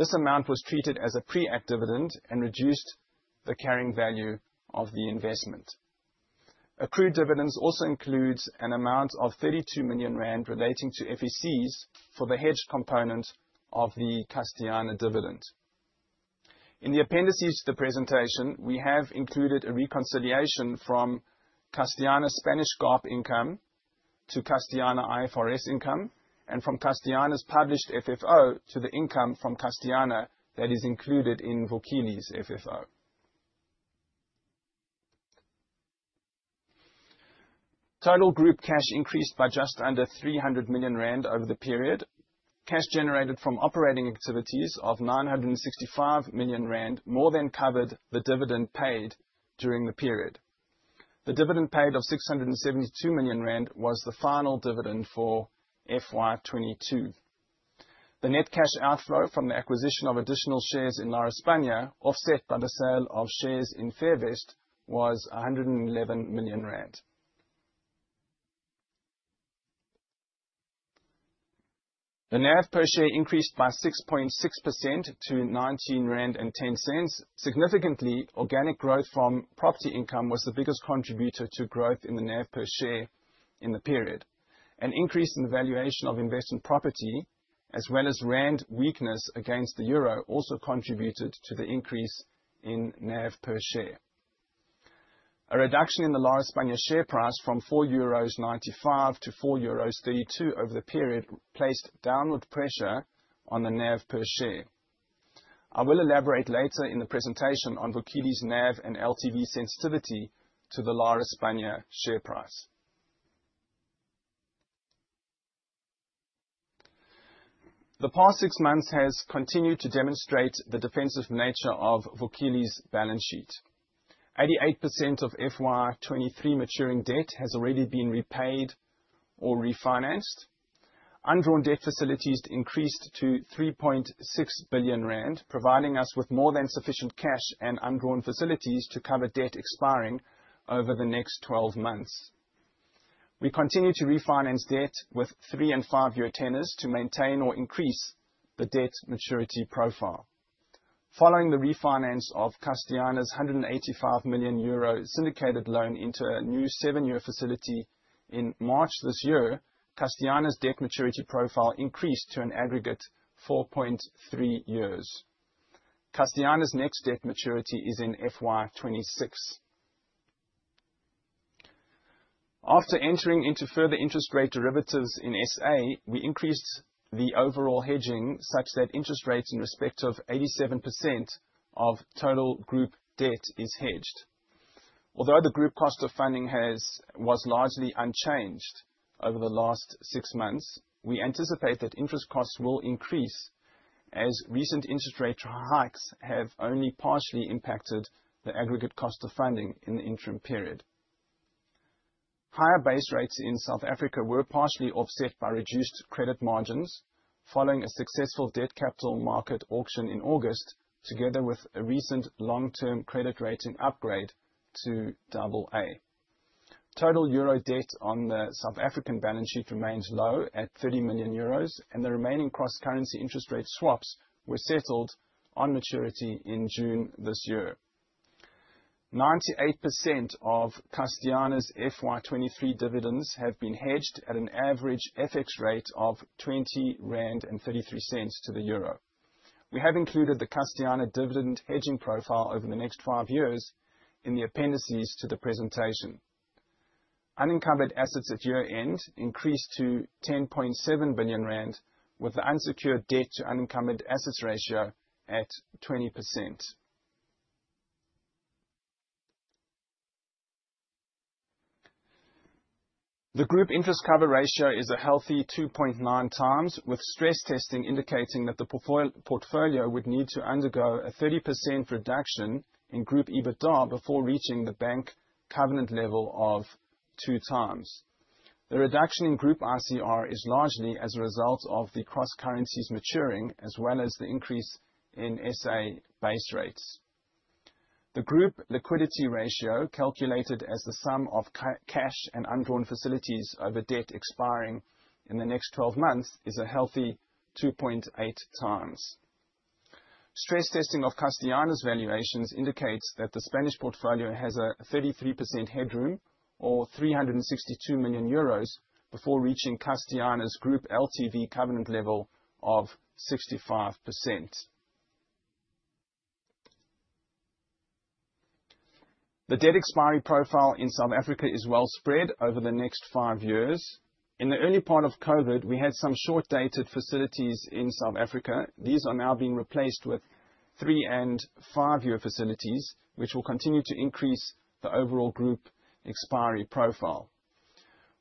This amount was treated as a pre-ac dividend and reduced the carrying value of the investment. Accrued dividends also includes an amount of 32 million rand relating to FECs for the hedged component of the Castellana dividend. In the appendices to the presentation, we have included a reconciliation from Castellana's Spanish GAAP income to Castellana IFRS income and from Castellana's published FFO to the income from Castellana that is included in Vukile's FFO. Total group cash increased by just under 300 million rand over the period. Cash generated from operating activities of 965 million rand more than covered the dividend paid during the period. The dividend paid of 672 million rand was the final dividend for FY 2022. The net cash outflow from the acquisition of additional shares in Lar España, offset by the sale of shares in Fairvest, was 111 million rand. The NAV per share increased by 6.6% to 19.10 rand. Significantly, organic growth from property income was the biggest contributor to growth in the NAV per share in the period. An increase in the valuation of investment property, as well as rand weakness against the euro, also contributed to the increase in NAV per share. A reduction in the Lar España share price from 4.9-4.32 euros over the period placed downward pressure on the NAV per share. I will elaborate later in the presentation on Vukile's NAV and LTV sensitivity to the Lar España share price. The past six months has continued to demonstrate the defensive nature of Vukile's balance sheet. 88% of FY 2023 maturing debt has already been repaid or refinanced. Undrawn debt facilities increased to R3.6 billion, providing us with more than sufficient cash and undrawn facilities to cover debt expiring over the next 12 months. We continue to refinance debt with three and five-year tenors to maintain or increase the debt maturity profile. Following the refinance of Castellana's €185 million syndicated loan into a new seven-year facility in March this year, Castellana's debt maturity profile increased to an aggregate 4.3 years. Castellana's next debt maturity is in FY 2026. After entering into further interest rate derivatives in SA, we increased the overall hedging such that interest rates in respect of 87% of total group debt is hedged. Although the group cost of funding was largely unchanged over the last six months, we anticipate that interest costs will increase as recent interest rate hikes have only partially impacted the aggregate cost of funding in the interim period. Higher base rates in South Africa were partially offset by reduced credit margins following a successful debt capital market auction in August, together with a recent long-term credit rating upgrade to Double A. Total euro debt on the South African balance sheet remains low at €30 million, and the remaining cross-currency interest rate swaps were settled on maturity in June this year. 98% of Castellana's FY 23 dividends have been hedged at an average FX rate of R20.33 to the euro. We have included the Castellana dividend hedging profile over the next five years in the appendices to the presentation. Unencumbered assets at year-end increased to R10.7 billion, with the unsecured debt to unencumbered assets ratio at 20%. The group interest cover ratio is a healthy 2.9x, with stress testing indicating that the portfolio would need to undergo a 30% reduction in group EBITDA before reaching the bank covenant level of 2x. The reduction in group ICR is largely as a result of the cross currencies maturing, as well as the increase in SA base rates. The group liquidity ratio, calculated as the sum of cash and undrawn facilities over debt expiring in the next 12 months, is a healthy 2.8x. Stress testing of Castellana's valuations indicates that the Spanish portfolio has a 33% headroom, or €362 million, before reaching Castellana's group LTV covenant level of 65%. The debt expiry profile in South Africa is well spread over the next five years. In the early part of COVID, we had some short-dated facilities in South Africa. These are now being replaced with three and five-year facilities, which will continue to increase the overall group expiry profile.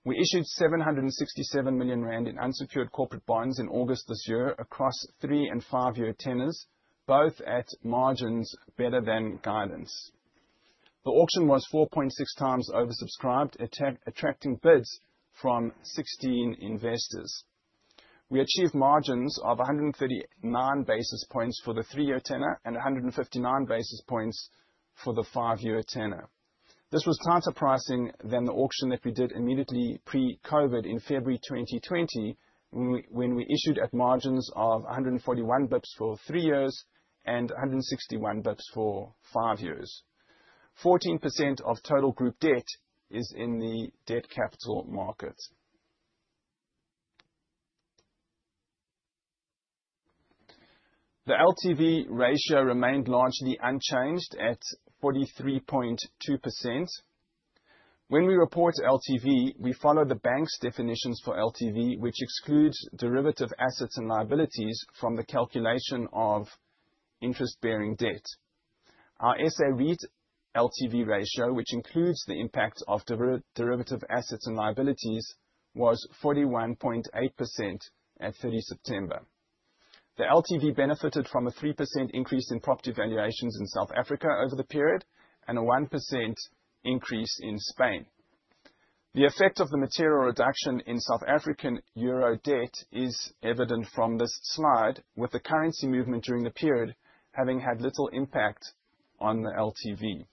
We issued 767 million rand in unsecured corporate bonds in August this year across three and five-year tenors, both at margins better than guidance. The auction was 4.6 times oversubscribed, attracting bids from 16 investors. We achieved margins of 139 basis points for the three-year tenor and 159 basis points for the five-year tenor. This was tighter pricing than the auction that we did immediately pre-COVID in February 2020, when we issued at margins of 141 basis points for three years and 161 basis points for five years. 14% of total group debt is in the debt capital market. The LTV ratio remained largely unchanged at 43.2%. When we report LTV, we follow the bank's definitions for LTV, which excludes derivative assets and liabilities from the calculation of interest-bearing debt. Our SA REIT LTV ratio, which includes the impact of derivative assets and liabilities, was 41.8% at 30 September. The LTV benefited from a 3% increase in property valuations in South Africa over the period and a 1% increase in Spain. The effect of the material reduction in South African euro debt is evident from this slide, with the currency movement during the period having had little impact on the LTV.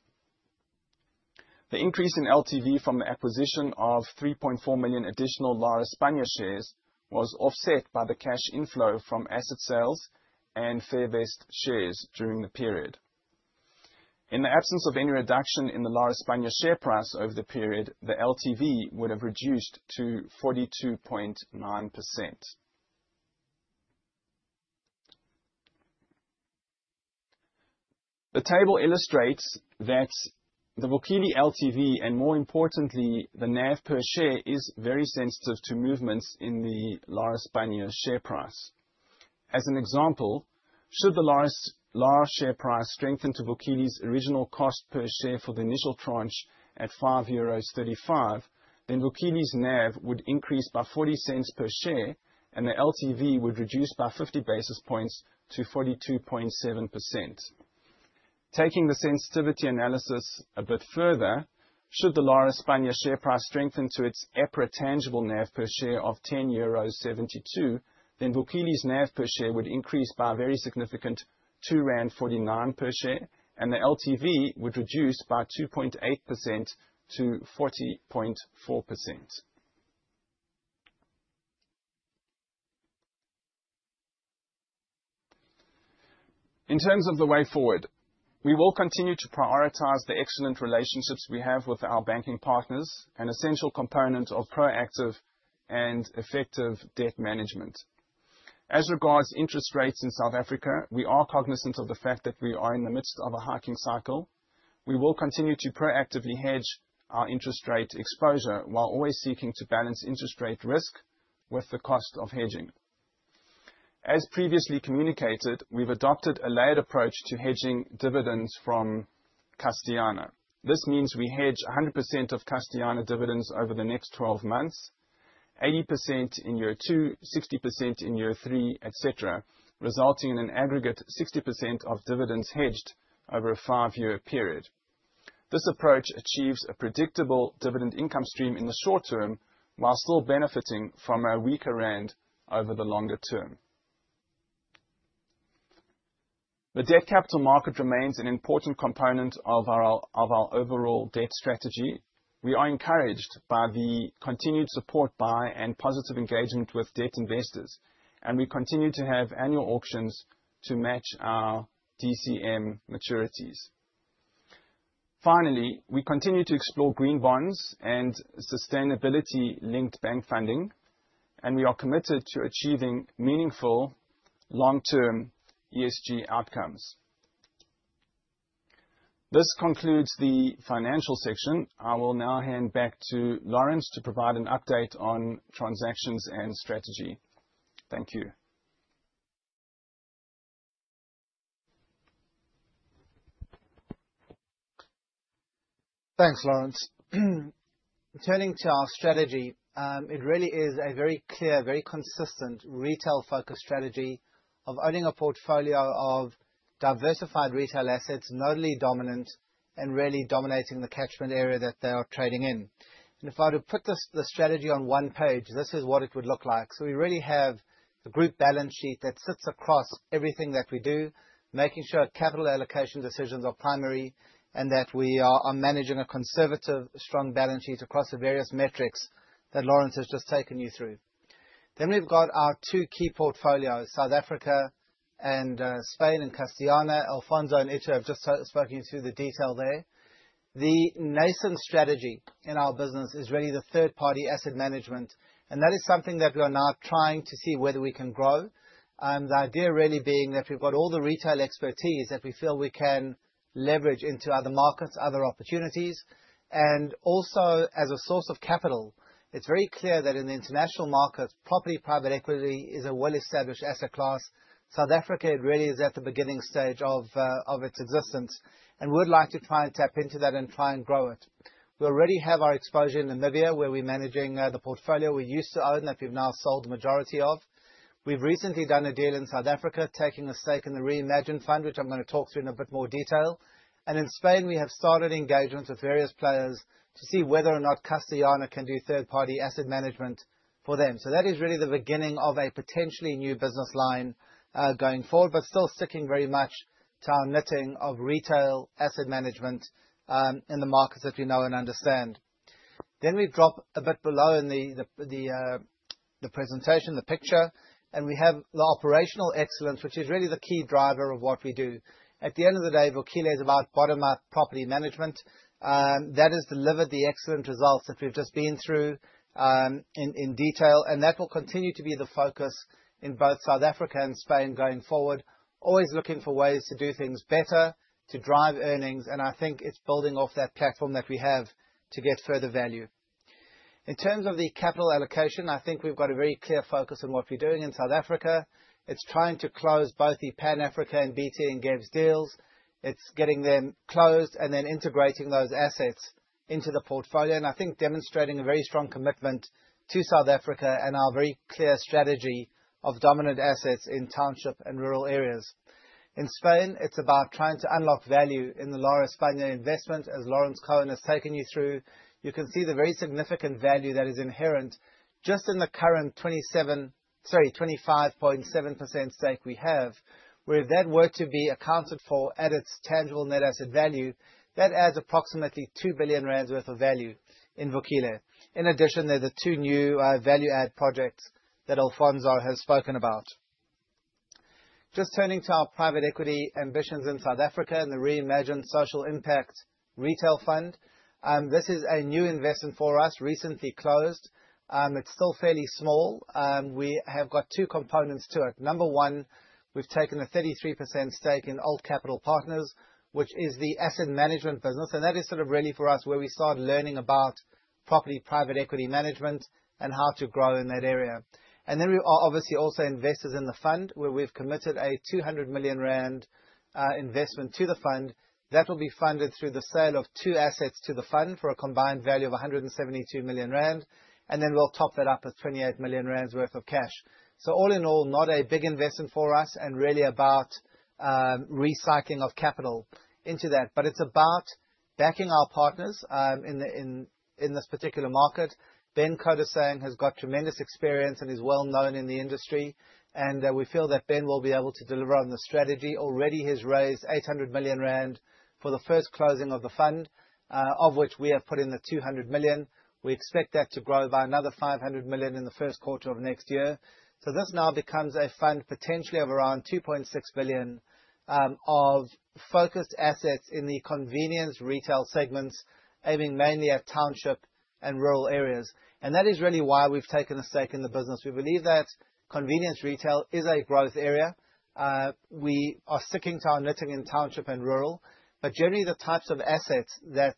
The increase in LTV from the acquisition of 3.4 million additional Lar España shares was offset by the cash inflow from asset sales and Fairvest shares during the period. In the absence of any reduction in the Lar España share price over the period, the LTV would have reduced to 42.9%. The table illustrates that Vukile's LTV, and more importantly, the NAV per share, is very sensitive to movements in the Lar España share price. As an example, should the Lar España share price strengthen to Vukile's original cost per share for the initial tranche at 5.35 euros, then Vukile's NAV would increase by 0.40 per share, and the LTV would reduce by 50 basis points to 42.7%. Taking the sensitivity analysis a bit further, should the Lar España share price strengthen to its EPRA tangible NAV per share of 10.72 euros, then Vukile's NAV per share would increase by a very significant 2.49 rand per share, and the LTV would reduce by 2.8%-40.4%. In terms of the way forward, we will continue to prioritize the excellent relationships we have with our banking partners, an essential component of proactive and effective debt management. As regards interest rates in South Africa, we are cognizant of the fact that we are in the midst of a hiking cycle. We will continue to proactively hedge our interest rate exposure while always seeking to balance interest rate risk with the cost of hedging. As previously communicated, we've adopted a layered approach to hedging dividends from Castellana. This means we hedge 100% of Castellana dividends over the next 12 months, 80% in year two, 60% in year three, et cetera, resulting in an aggregate 60% of dividends hedged over a five-year period. This approach achieves a predictable dividend income stream in the short term, while still benefiting from a weaker rand over the longer term. The debt capital market remains an important component of our overall debt strategy. We are encouraged by the continued support by and positive engagement with debt investors. We continue to have annual auctions to match our DCM maturities. Finally, we continue to explore green bonds and sustainability-linked bank funding. We are committed to achieving meaningful long-term ESG outcomes. This concludes the financial section. I will now hand back to Lawrence to provide an update on transactions and strategy. Thank you. Thanks, Laurence. Turning to our strategy, it really is a very clear, very consistent retail-focused strategy of owning a portfolio of diversified retail assets, notably dominant and really dominating the catchment area that they are trading in. If I were to put this, the strategy on one page, this is what it would look like. We really have the group balance sheet that sits across everything that we do, making sure capital allocation decisions are primary and that we are managing a conservative, strong balance sheet across the various metrics that Laurence has just taken you through. We've got our two key portfolios, South AfricaAnd, Spain and Castellana. Alfonso and Itu have just spoken you through the detail there. The nascent strategy in our business is really the third party asset management, and that is something that we are now trying to see whether we can grow. The idea really being that we've got all the retail expertise that we feel we can leverage into other markets, other opportunities, and also as a source of capital. It's very clear that in the international markets, property private equity is a well-established asset class. South Africa, it really is at the beginning stage of its existence, and we'd like to try and tap into that and try to grow it. We already have our exposure in Namibia, where we're managing the portfolio we used to own, that we've now sold the majority of. We've recently done a deal in South Africa, taking a stake in the REimagine Fund, which I'm gonna talk through in a bit more detail. In Spain, we have started engagements with various players to see whether or not Castellana can do third-party asset management for them. That is really the beginning of a potentially new business line, going forward, but still sticking very much to our knitting of retail asset management, in the markets that we know and understand. We drop a bit below in the presentation, the picture, and we have the operational excellence, which is really the key driver of what we do. At the end of the day, Vukile is about bottom up property management. That has delivered the excellent results that we've just been through in detail, and that will continue to be the focus in both South Africa and Spain going forward. Always looking for ways to do things better, to drive earnings, and I think it's building off that platform that we have to get further value. In terms of the capital allocation, I think we've got a very clear focus on what we're doing in South Africa. It's trying to close both the Pan Africa and BT Ngebs City deals. It's getting them closed and then integrating those assets into the portfolio, and I think demonstrating a very strong commitment to South Africa and our very clear strategy of dominant assets in township and rural areas. In Spain, it's about trying to unlock value in the Lar España investment. As Laurence Cohen has taken you through, you can see the very significant value that is inherent just in the current 25.7% stake we have, where if that were to be accounted for at its tangible net asset value, that adds approximately 2 billion rand worth of value in Vukile. There's the two new value add projects that Alfonso has spoken about. Just turning to our private equity ambitions in South Africa and the REimagine Social Impact Retail Fund. This is a new investment for us, recently closed. It's still fairly small. We have got two components to it. Number one, we've taken a 33% stake in ALT Capital Partners, which is the asset management business, and that is sort of really for us where we start learning about property private equity management and how to grow in that area. We are obviously also investors in the fund, where we've committed a 200 million rand investment to the fund that will be funded through the sale of two assets to the fund for a combined value of 172 million rand, and then we'll top that up with 28 million rand worth of cash. All in all, not a big investment for us and really about recycling of capital into that. It's about backing our partners in this particular market. Ben Coetzer has got tremendous experience and is well-known in the industry, and we feel that Ben will be able to deliver on the strategy. Already, he's raised 800 million rand for the first closing of the fund, of which we have put in 200 million. We expect that to grow by another 500 million in the first quarter of next year. This now becomes a fund potentially of around 2.6 billion of focused assets in the convenience retail segments, aiming mainly at township and rural areas. That is really why we've taken a stake in the business. We believe that convenience retail is a growth area. We are sticking to our knitting in township and rural. Generally, the types of assets that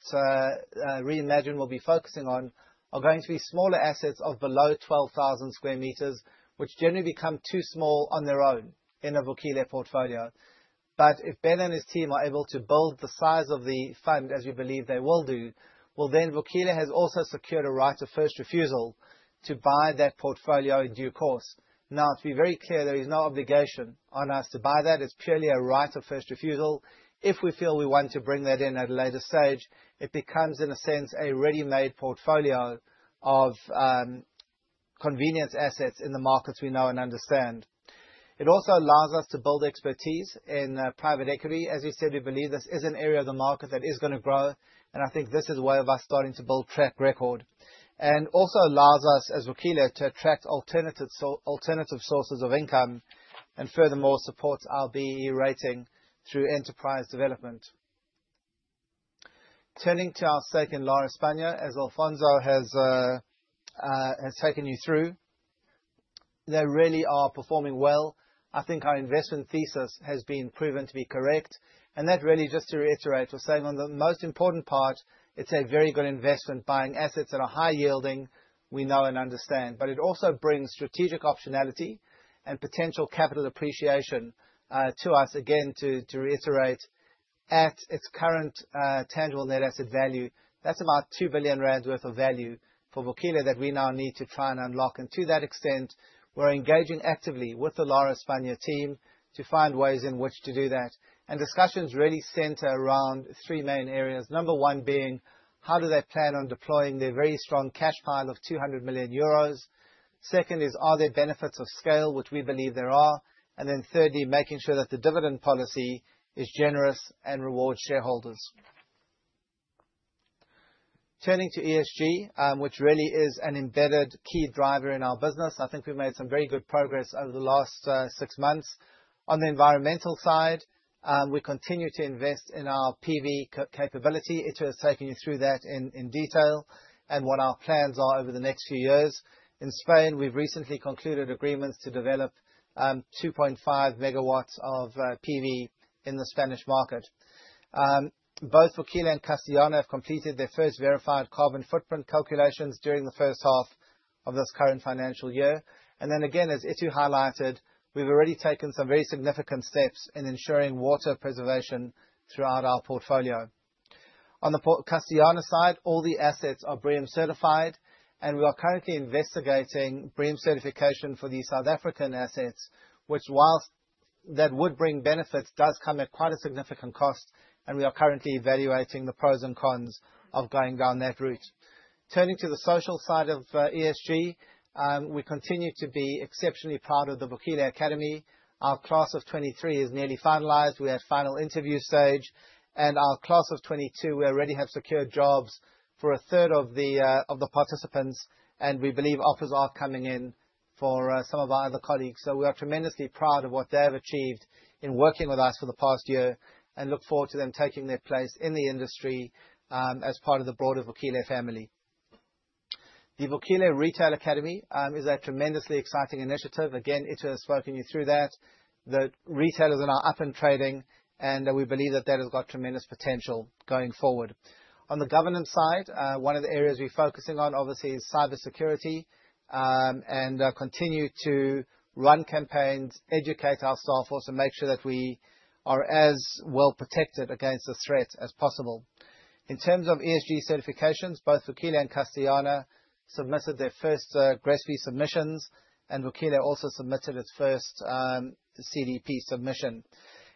Reimagine will be focusing on are going to be smaller assets of below 12,000 sqm, which generally become too small on their own in a Vukile portfolio. If Ben and his team are able to build the size of the fund, as we believe they will do, then Vukile has also secured a right of first refusal to buy that portfolio in due course. To be very clear, there is no obligation on us to buy that. It's purely a right of first refusal. If we feel we want to bring that in at a later stage, it becomes, in a sense, a ready-made portfolio of convenience assets in the markets we know and understand. It also allows us to build expertise in private equity. As we said, we believe this is an area of the market that is gonna grow, and I think this is a way of us starting to build track record. Also allows us, as Vukile, to attract alternative sources of income, and furthermore, supports our BE rating through enterprise development. Turning to our stake in Lar España, as Alfonso has taken you through, they really are performing well. I think our investment thesis has been proven to be correct. That really, just to reiterate, we're saying on the most important part, it's a very good investment, buying assets that are high yielding, we know and understand. It also brings strategic optionality and potential capital appreciation to us, again, to reiterate, at its current tangible net asset value, that's about 2 billion rand worth of value for Vukile that we now need to try and unlock. To that extent, we're engaging actively with the Lar España team to find ways in which to do that. Discussions really center around three main areas. Number one being, how do they plan on deploying their very strong cash pile of 200 million euros? Second is, are there benefits of scale, which we believe there are? Thirdly, making sure that the dividend policy is generous and rewards shareholders. Turning to ESG, which really is an embedded key driver in our business, I think we've made some very good progress over the last six months. On the environmental side, we continue to invest in our PV capability. Itu has taken you through that in detail and what our plans are over the next few years. In Spain, we've recently concluded agreements to develop 2.5 MW of PV in the Spanish market. Both Vukile and Castellana have completed their first verified carbon footprint calculations during the first half of this current financial year. Again, as Itu highlighted, we've already taken some very significant steps in ensuring water preservation throughout our portfolio. On the Port Castellana side, all the assets are BREEAM certified, and we are currently investigating BREEAM certification for the South African assets, which whilst that would bring benefits, does come at quite a significant cost, and we are currently evaluating the pros and cons of going down that route. Turning to the social side of ESG, we continue to be exceptionally proud of the Vukile Academy. Our class of 23 is nearly finalized. We're at final interview stage. Our class of 22, we already have secured jobs for a third of the participants, and we believe offers are coming in for some of our other colleagues. We are tremendously proud of what they have achieved in working with us for the past year and look forward to them taking their place in the industry as part of the broader Vukile family. The Vukile Retail Academy is a tremendously exciting initiative. Again, Itu has spoken you through that. The retailers are now up and trading, we believe that that has got tremendous potential going forward. On the governance side, one of the areas we're focusing on, obviously, is cybersecurity, continue to run campaigns, educate our staff also make sure that we are as well protected against the threat as possible. In terms of ESG certifications, both Vukile and Castellana submitted their first GRESB submissions, and Vukile also submitted its first CDP submission.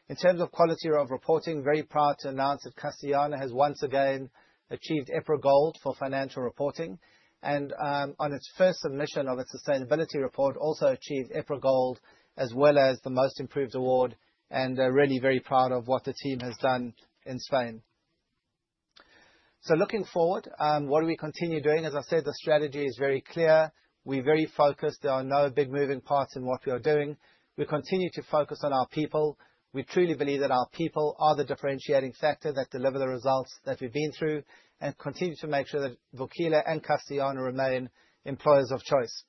In terms of quality of reporting, very proud to announce that Castellana has once again achieved EPRA Gold for financial reporting, on its first submission of a sustainability report, also achieved EPRA Gold, as well as the Most Improved award. We're really very proud of what the team has done in Spain. Looking forward, what do we continue doing? As I said, the strategy is very clear. We're very focused. There are no big moving parts in what we are doing. We continue to focus on our people. We truly believe that our people are the differentiating factor that deliver the results that we've been through and continue to make sure that Vukile and Castellana remain employers of choice.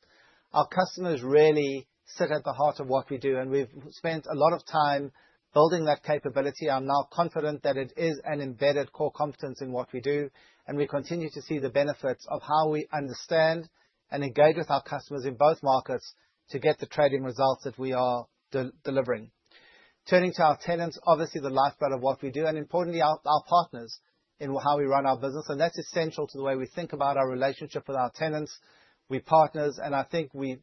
Our customers really sit at the heart of what we do, and we've spent a lot of time building that capability. I'm now confident that it is an embedded core competence in what we do, and we continue to see the benefits of how we understand and engage with our customers in both markets to get the trading results that we are delivering. Turning to our tenants, obviously the lifeblood of what we do, and importantly our partners in how we run our business, and that's essential to the way we think about our relationship with our tenants. We're partners. I think we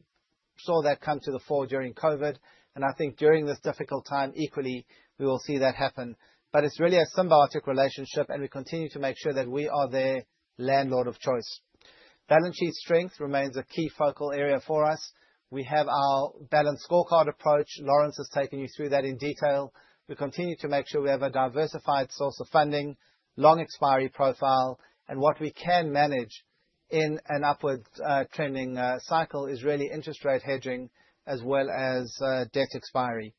saw that come to the fore during COVID. I think during this difficult time equally, we will see that happen. It's really a symbiotic relationship, and we continue to make sure that we are their landlord of choice. Balance sheet strength remains a key focal area for us. We have our balanced scorecard approach. Lawrence has taken you through that in detail. We continue to make sure we have a diversified source of funding, long expiry profile. What we can manage in an upwards trending cycle is really interest rate hedging as well as debt expiry.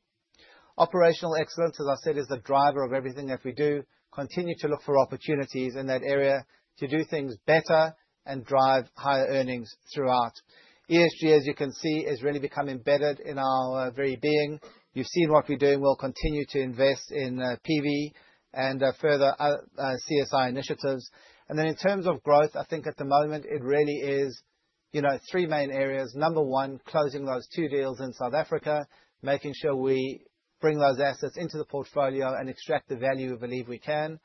Operational excellence, as I said, is the driver of everything that we do. Continue to look for opportunities in that area to do things better and drive higher earnings throughout. ESG, as you can see, has really become embedded in our very being. You've seen what we're doing. We'll continue to invest in PV and further CSI initiatives. In terms of growth, I think at the moment it really is three main areas. Number one, closing those two deals in South Africa, making sure we bring those assets into the portfolio and extract the value we believe we can.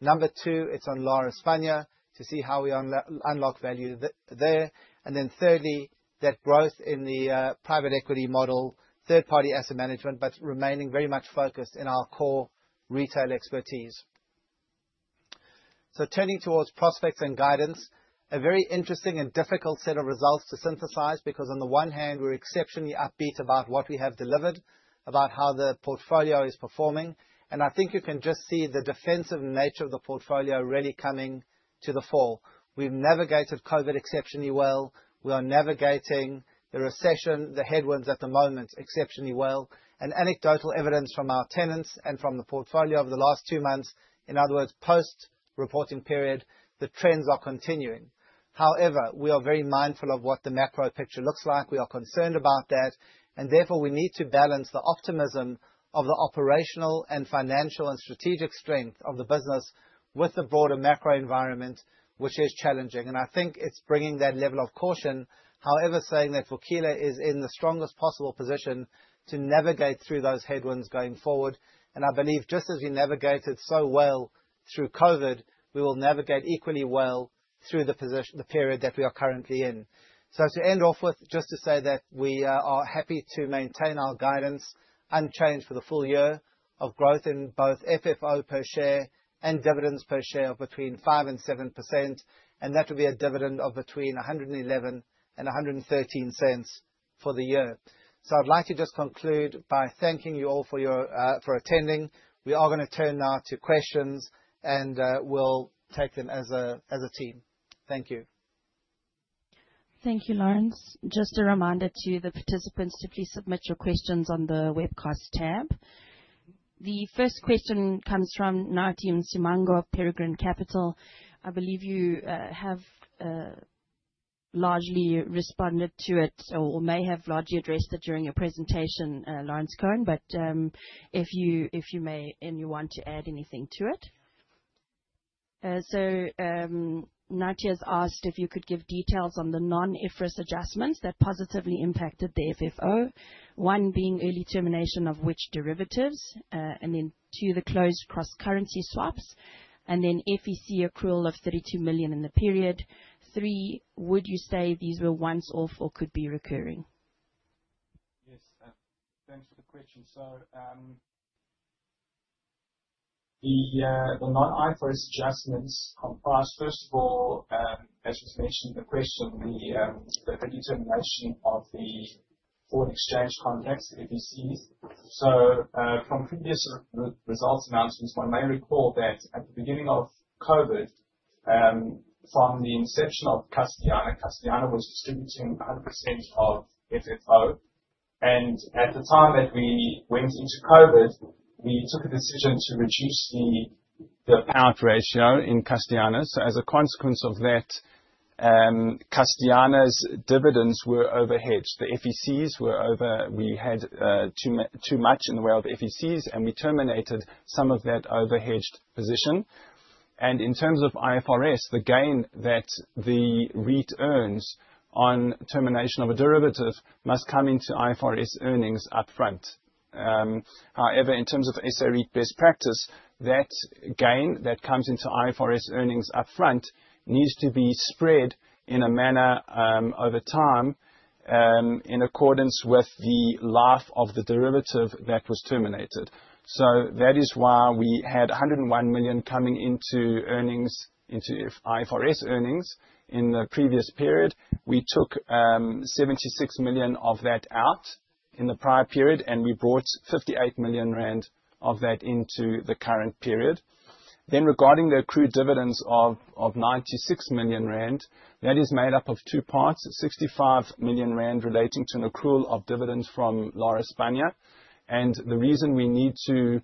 Number two, it's on Lar España to see how we unlock value there. Thirdly, that growth in the private equity model, third-party asset management, but remaining very much focused in our core retail expertise. Turning towards prospects and guidance, a very interesting and difficult set of results to synthesize, because on the one hand, we're exceptionally upbeat about what we have delivered, about how the portfolio is performing, and I think you can just see the defensive nature of the portfolio really coming to the fore. We've navigated COVID exceptionally well. We are navigating the recession, the headwinds at the moment, exceptionally well. Anecdotal evidence from our tenants and from the portfolio over the last two months, in other words, post-reporting period, the trends are continuing. However, we are very mindful of what the macro picture looks like. We are concerned about that, and therefore, we need to balance the optimism of the operational and financial and strategic strength of the business with the broader macro environment, which is challenging. I think it's bringing that level of caution. Saying that, Vukile is in the strongest possible position to navigate through those headwinds going forward. I believe just as we navigated so well through COVID, we will navigate equally well through the period that we are currently in. To end off with, just to say that we are happy to maintain our guidance unchanged for the full year of growth in both FFO per share and dividends per share of between 5% and 7%, and that will be a dividend of between 1.11 and 1.13. For the year. I'd like to just conclude by thanking you all for your, for attending. We are gonna turn now to questions, and we'll take them as a team. Thank you. Thank you, Laurence. Just a reminder to the participants to please submit your questions on the webcast tab. The first question comes from Nati Msimango of Peregrine Capital. I believe you have largely responded to it or may have largely addressed it during your presentation, Laurence Cohen, but if you may and you want to add anything to it. Nati has asked if you could give details on the non-IFRS adjustments that positively impacted the FFO, one being early termination of which derivatives, and then two, the closed cross currency swaps, and then FEC accrual of 32 million in the period. Three, would you say these were once off or could be recurring? Yes. Thanks for the question. The non-IFRS adjustments comprise, first of all, as was mentioned in the question, the determination of the foreign exchange contracts, FECs. From previous results announcements, one may recall that at the beginning of COVID, from the inception of Castellana was distributing 100% of FFO. At the time that we went into COVID, we took a decision to reduce the payout ratio in Castellana. As a consequence of that, Castellana's dividends were overhedged. The FECs were over. We had too much in the way of FECs, and we terminated some of that overhedged position. In terms of IFRS, the gain that the REIT earns on termination of a derivative must come into IFRS earnings up front. However, in terms of SA REIT best practice, that gain that comes into IFRS earnings up front needs to be spread in a manner over time in accordance with the life of the derivative that was terminated. That is why we had 101 million coming into earnings, into IFRS earnings in the previous period. We took 76 million of that out in the prior period, and we brought 58 million rand of that into the current period. Regarding the accrued dividends of 96 million rand, that is made up of two parts, 65 million rand relating to an accrual of dividends from Lar España. The reason we need to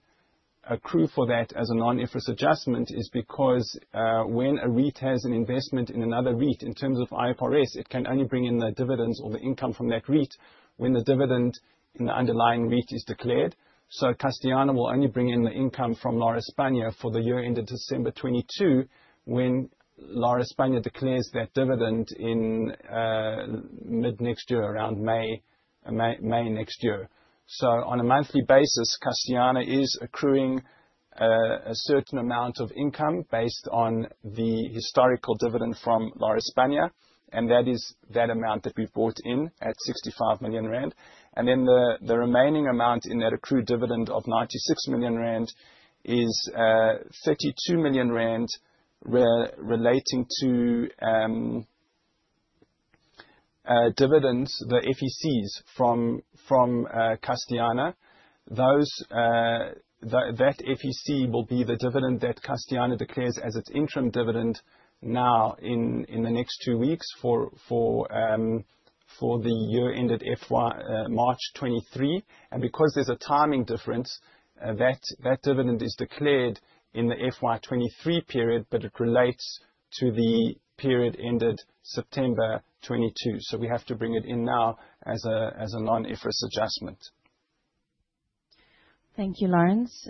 accrue for that as a non-IFRS adjustment is because when a REIT has an investment in another REIT, in terms of IFRS, it can only bring in the dividends or the income from that REIT when the dividend in the underlying REIT is declared. Castellana will only bring in the income from Lar España for the year end of December 2022, when Lar España declares that dividend in mid-next year, around May next year. On a monthly basis, Castellana is accruing a certain amount of income based on the historical dividend from Lar España, and that is that amount that we've brought in at 65 million rand. The remaining amount in that accrued dividend of 96 million rand is 32 million rand relating to dividends, the FECs from Castellana. Those that FEC will be the dividend that Castellana declares as its interim dividend now in the next two weeks for the year ended FY March 2023. Because there's a timing difference, that dividend is declared in the FY23 period, but it relates to the period ended September 2022. We have to bring it in now as a non-IFRS adjustment. Thank you, Laurence.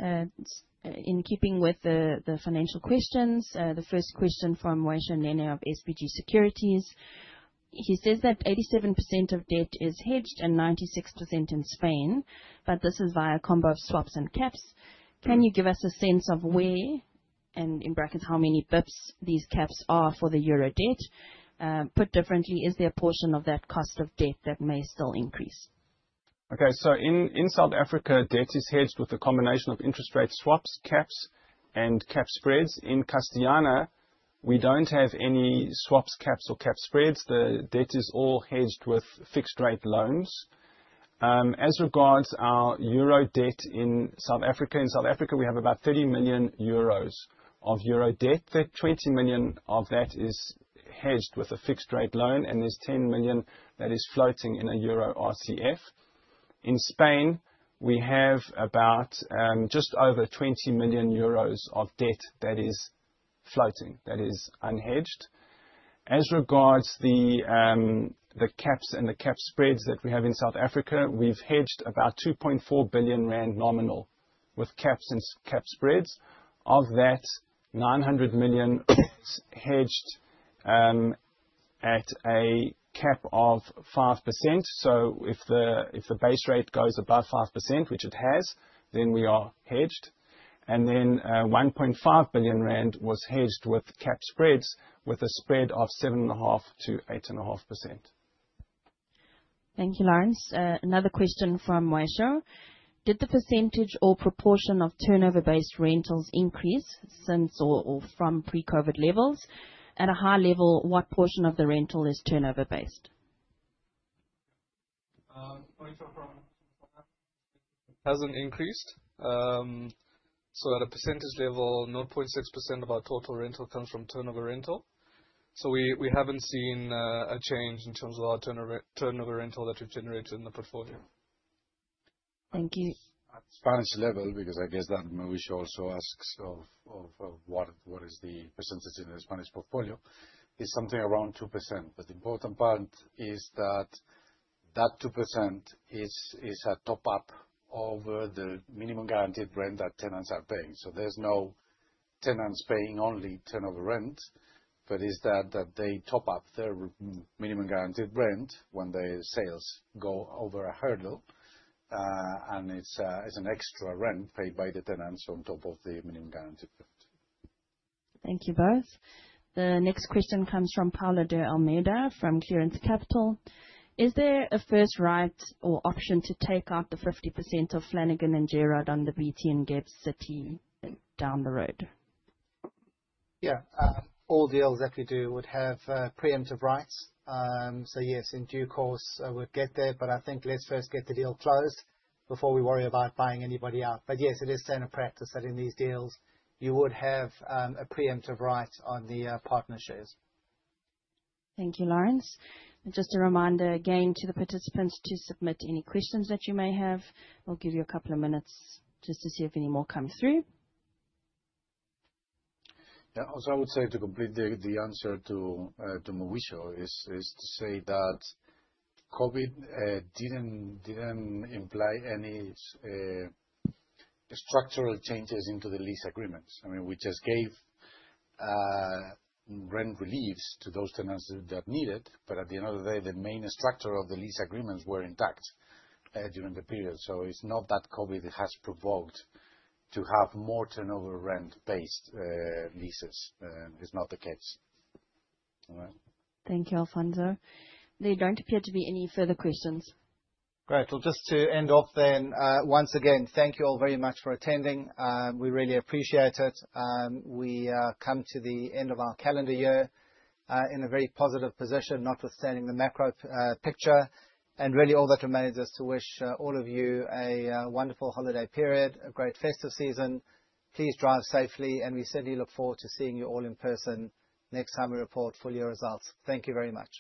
In keeping with the financial questions, the first question from Mwaiso Nyirane of SBG Securities. He says that 87% of debt is hedged and 96% in Spain, but this is via combo of swaps and caps. Can you give us a sense of where, and in brackets, how many pips these caps are for the euro debt? Put differently, is there a portion of that cost of debt that may still increase? Okay. In South Africa, debt is hedged with a combination of interest rate swaps, caps, and cap spreads. In Castellana, we don't have any swaps, caps or cap spreads. The debt is all hedged with fixed rate loans. As regards our euro debt in South Africa, in South Africa, we have about 30 million of euro debt. 20 million of that is hedged with a fixed rate loan, and there's 10 million that is floating in a euro RCF. In Spain, we have about just over 20 million euros of debt that is floating, that is unhedged. As regards the caps and the cap spreads that we have in South Africa, we've hedged about 2.4 billion rand nominal with caps and cap spreads. Of that, 900 million is hedged at a cap of 5%. If the base rate goes above 5%, which it has, then we are hedged. 1.5 billion rand was hedged with cap spreads, with a spread of 7.5%-8.5%. Thank you, Laurence. Another question from Mwaiso. Did the percentage or proportion of turnover-based rentals increase since or from pre-COVID levels? At a high level, what portion of the rental is turnover based? Hasn't increased. At a percentage level, 0.6% of our total rental comes from turnover rental. We haven't seen a change in terms of our turnover rental that we've generated in the portfolio. Thank you. At Spanish level, because I guess that Mauricio also asks of what is the percentage in the Spanish portfolio, is something around 2%. The important part is that 2% is a top up over the minimum guaranteed rent that tenants are paying. There's no tenants paying only turnover rent, but it's that they top up their minimum guaranteed rent when the sales go over a hurdle. It's an extra rent paid by the tenants on top of the minimum guarantee rent. Thank you both. The next question comes from Paulo de Almeida from Clearance Capital. Is there a first right or option to take out the 50% of Flanagan & Gerard on the BT Ngebs City down the road? Yeah. All deals that we do would have preemptive rights. Yes, in due course, we'll get there, but I think let's first get the deal closed before we worry about buying anybody out. Yes, it is standard practice that in these deals you would have a preemptive right on the partner shares. Thank you, Lawrence. Just a reminder again to the participants to submit any questions that you may have. I'll give you a couple of minutes just to see if any more come through. Also, I would say to complete the answer to Mauricio is to say that Covid didn't imply any structural changes into the lease agreements. I mean, we just gave rent reliefs to those tenants that need it. At the end of the day, the main structure of the lease agreements were intact during the period. It's not that Covid has provoked to have more turnover rent-based leases. It's not the case. All right. Thank you, Alfonso. There don't appear to be any further questions. Great. Well, just to end off then, once again, thank you all very much for attending. We really appreciate it. We come to the end of our calendar year in a very positive position, notwithstanding the macro picture. Really all that remains is to wish all of you a wonderful holiday period, a great festive season. Please drive safely, and we certainly look forward to seeing you all in person next time we report full year results. Thank you very much.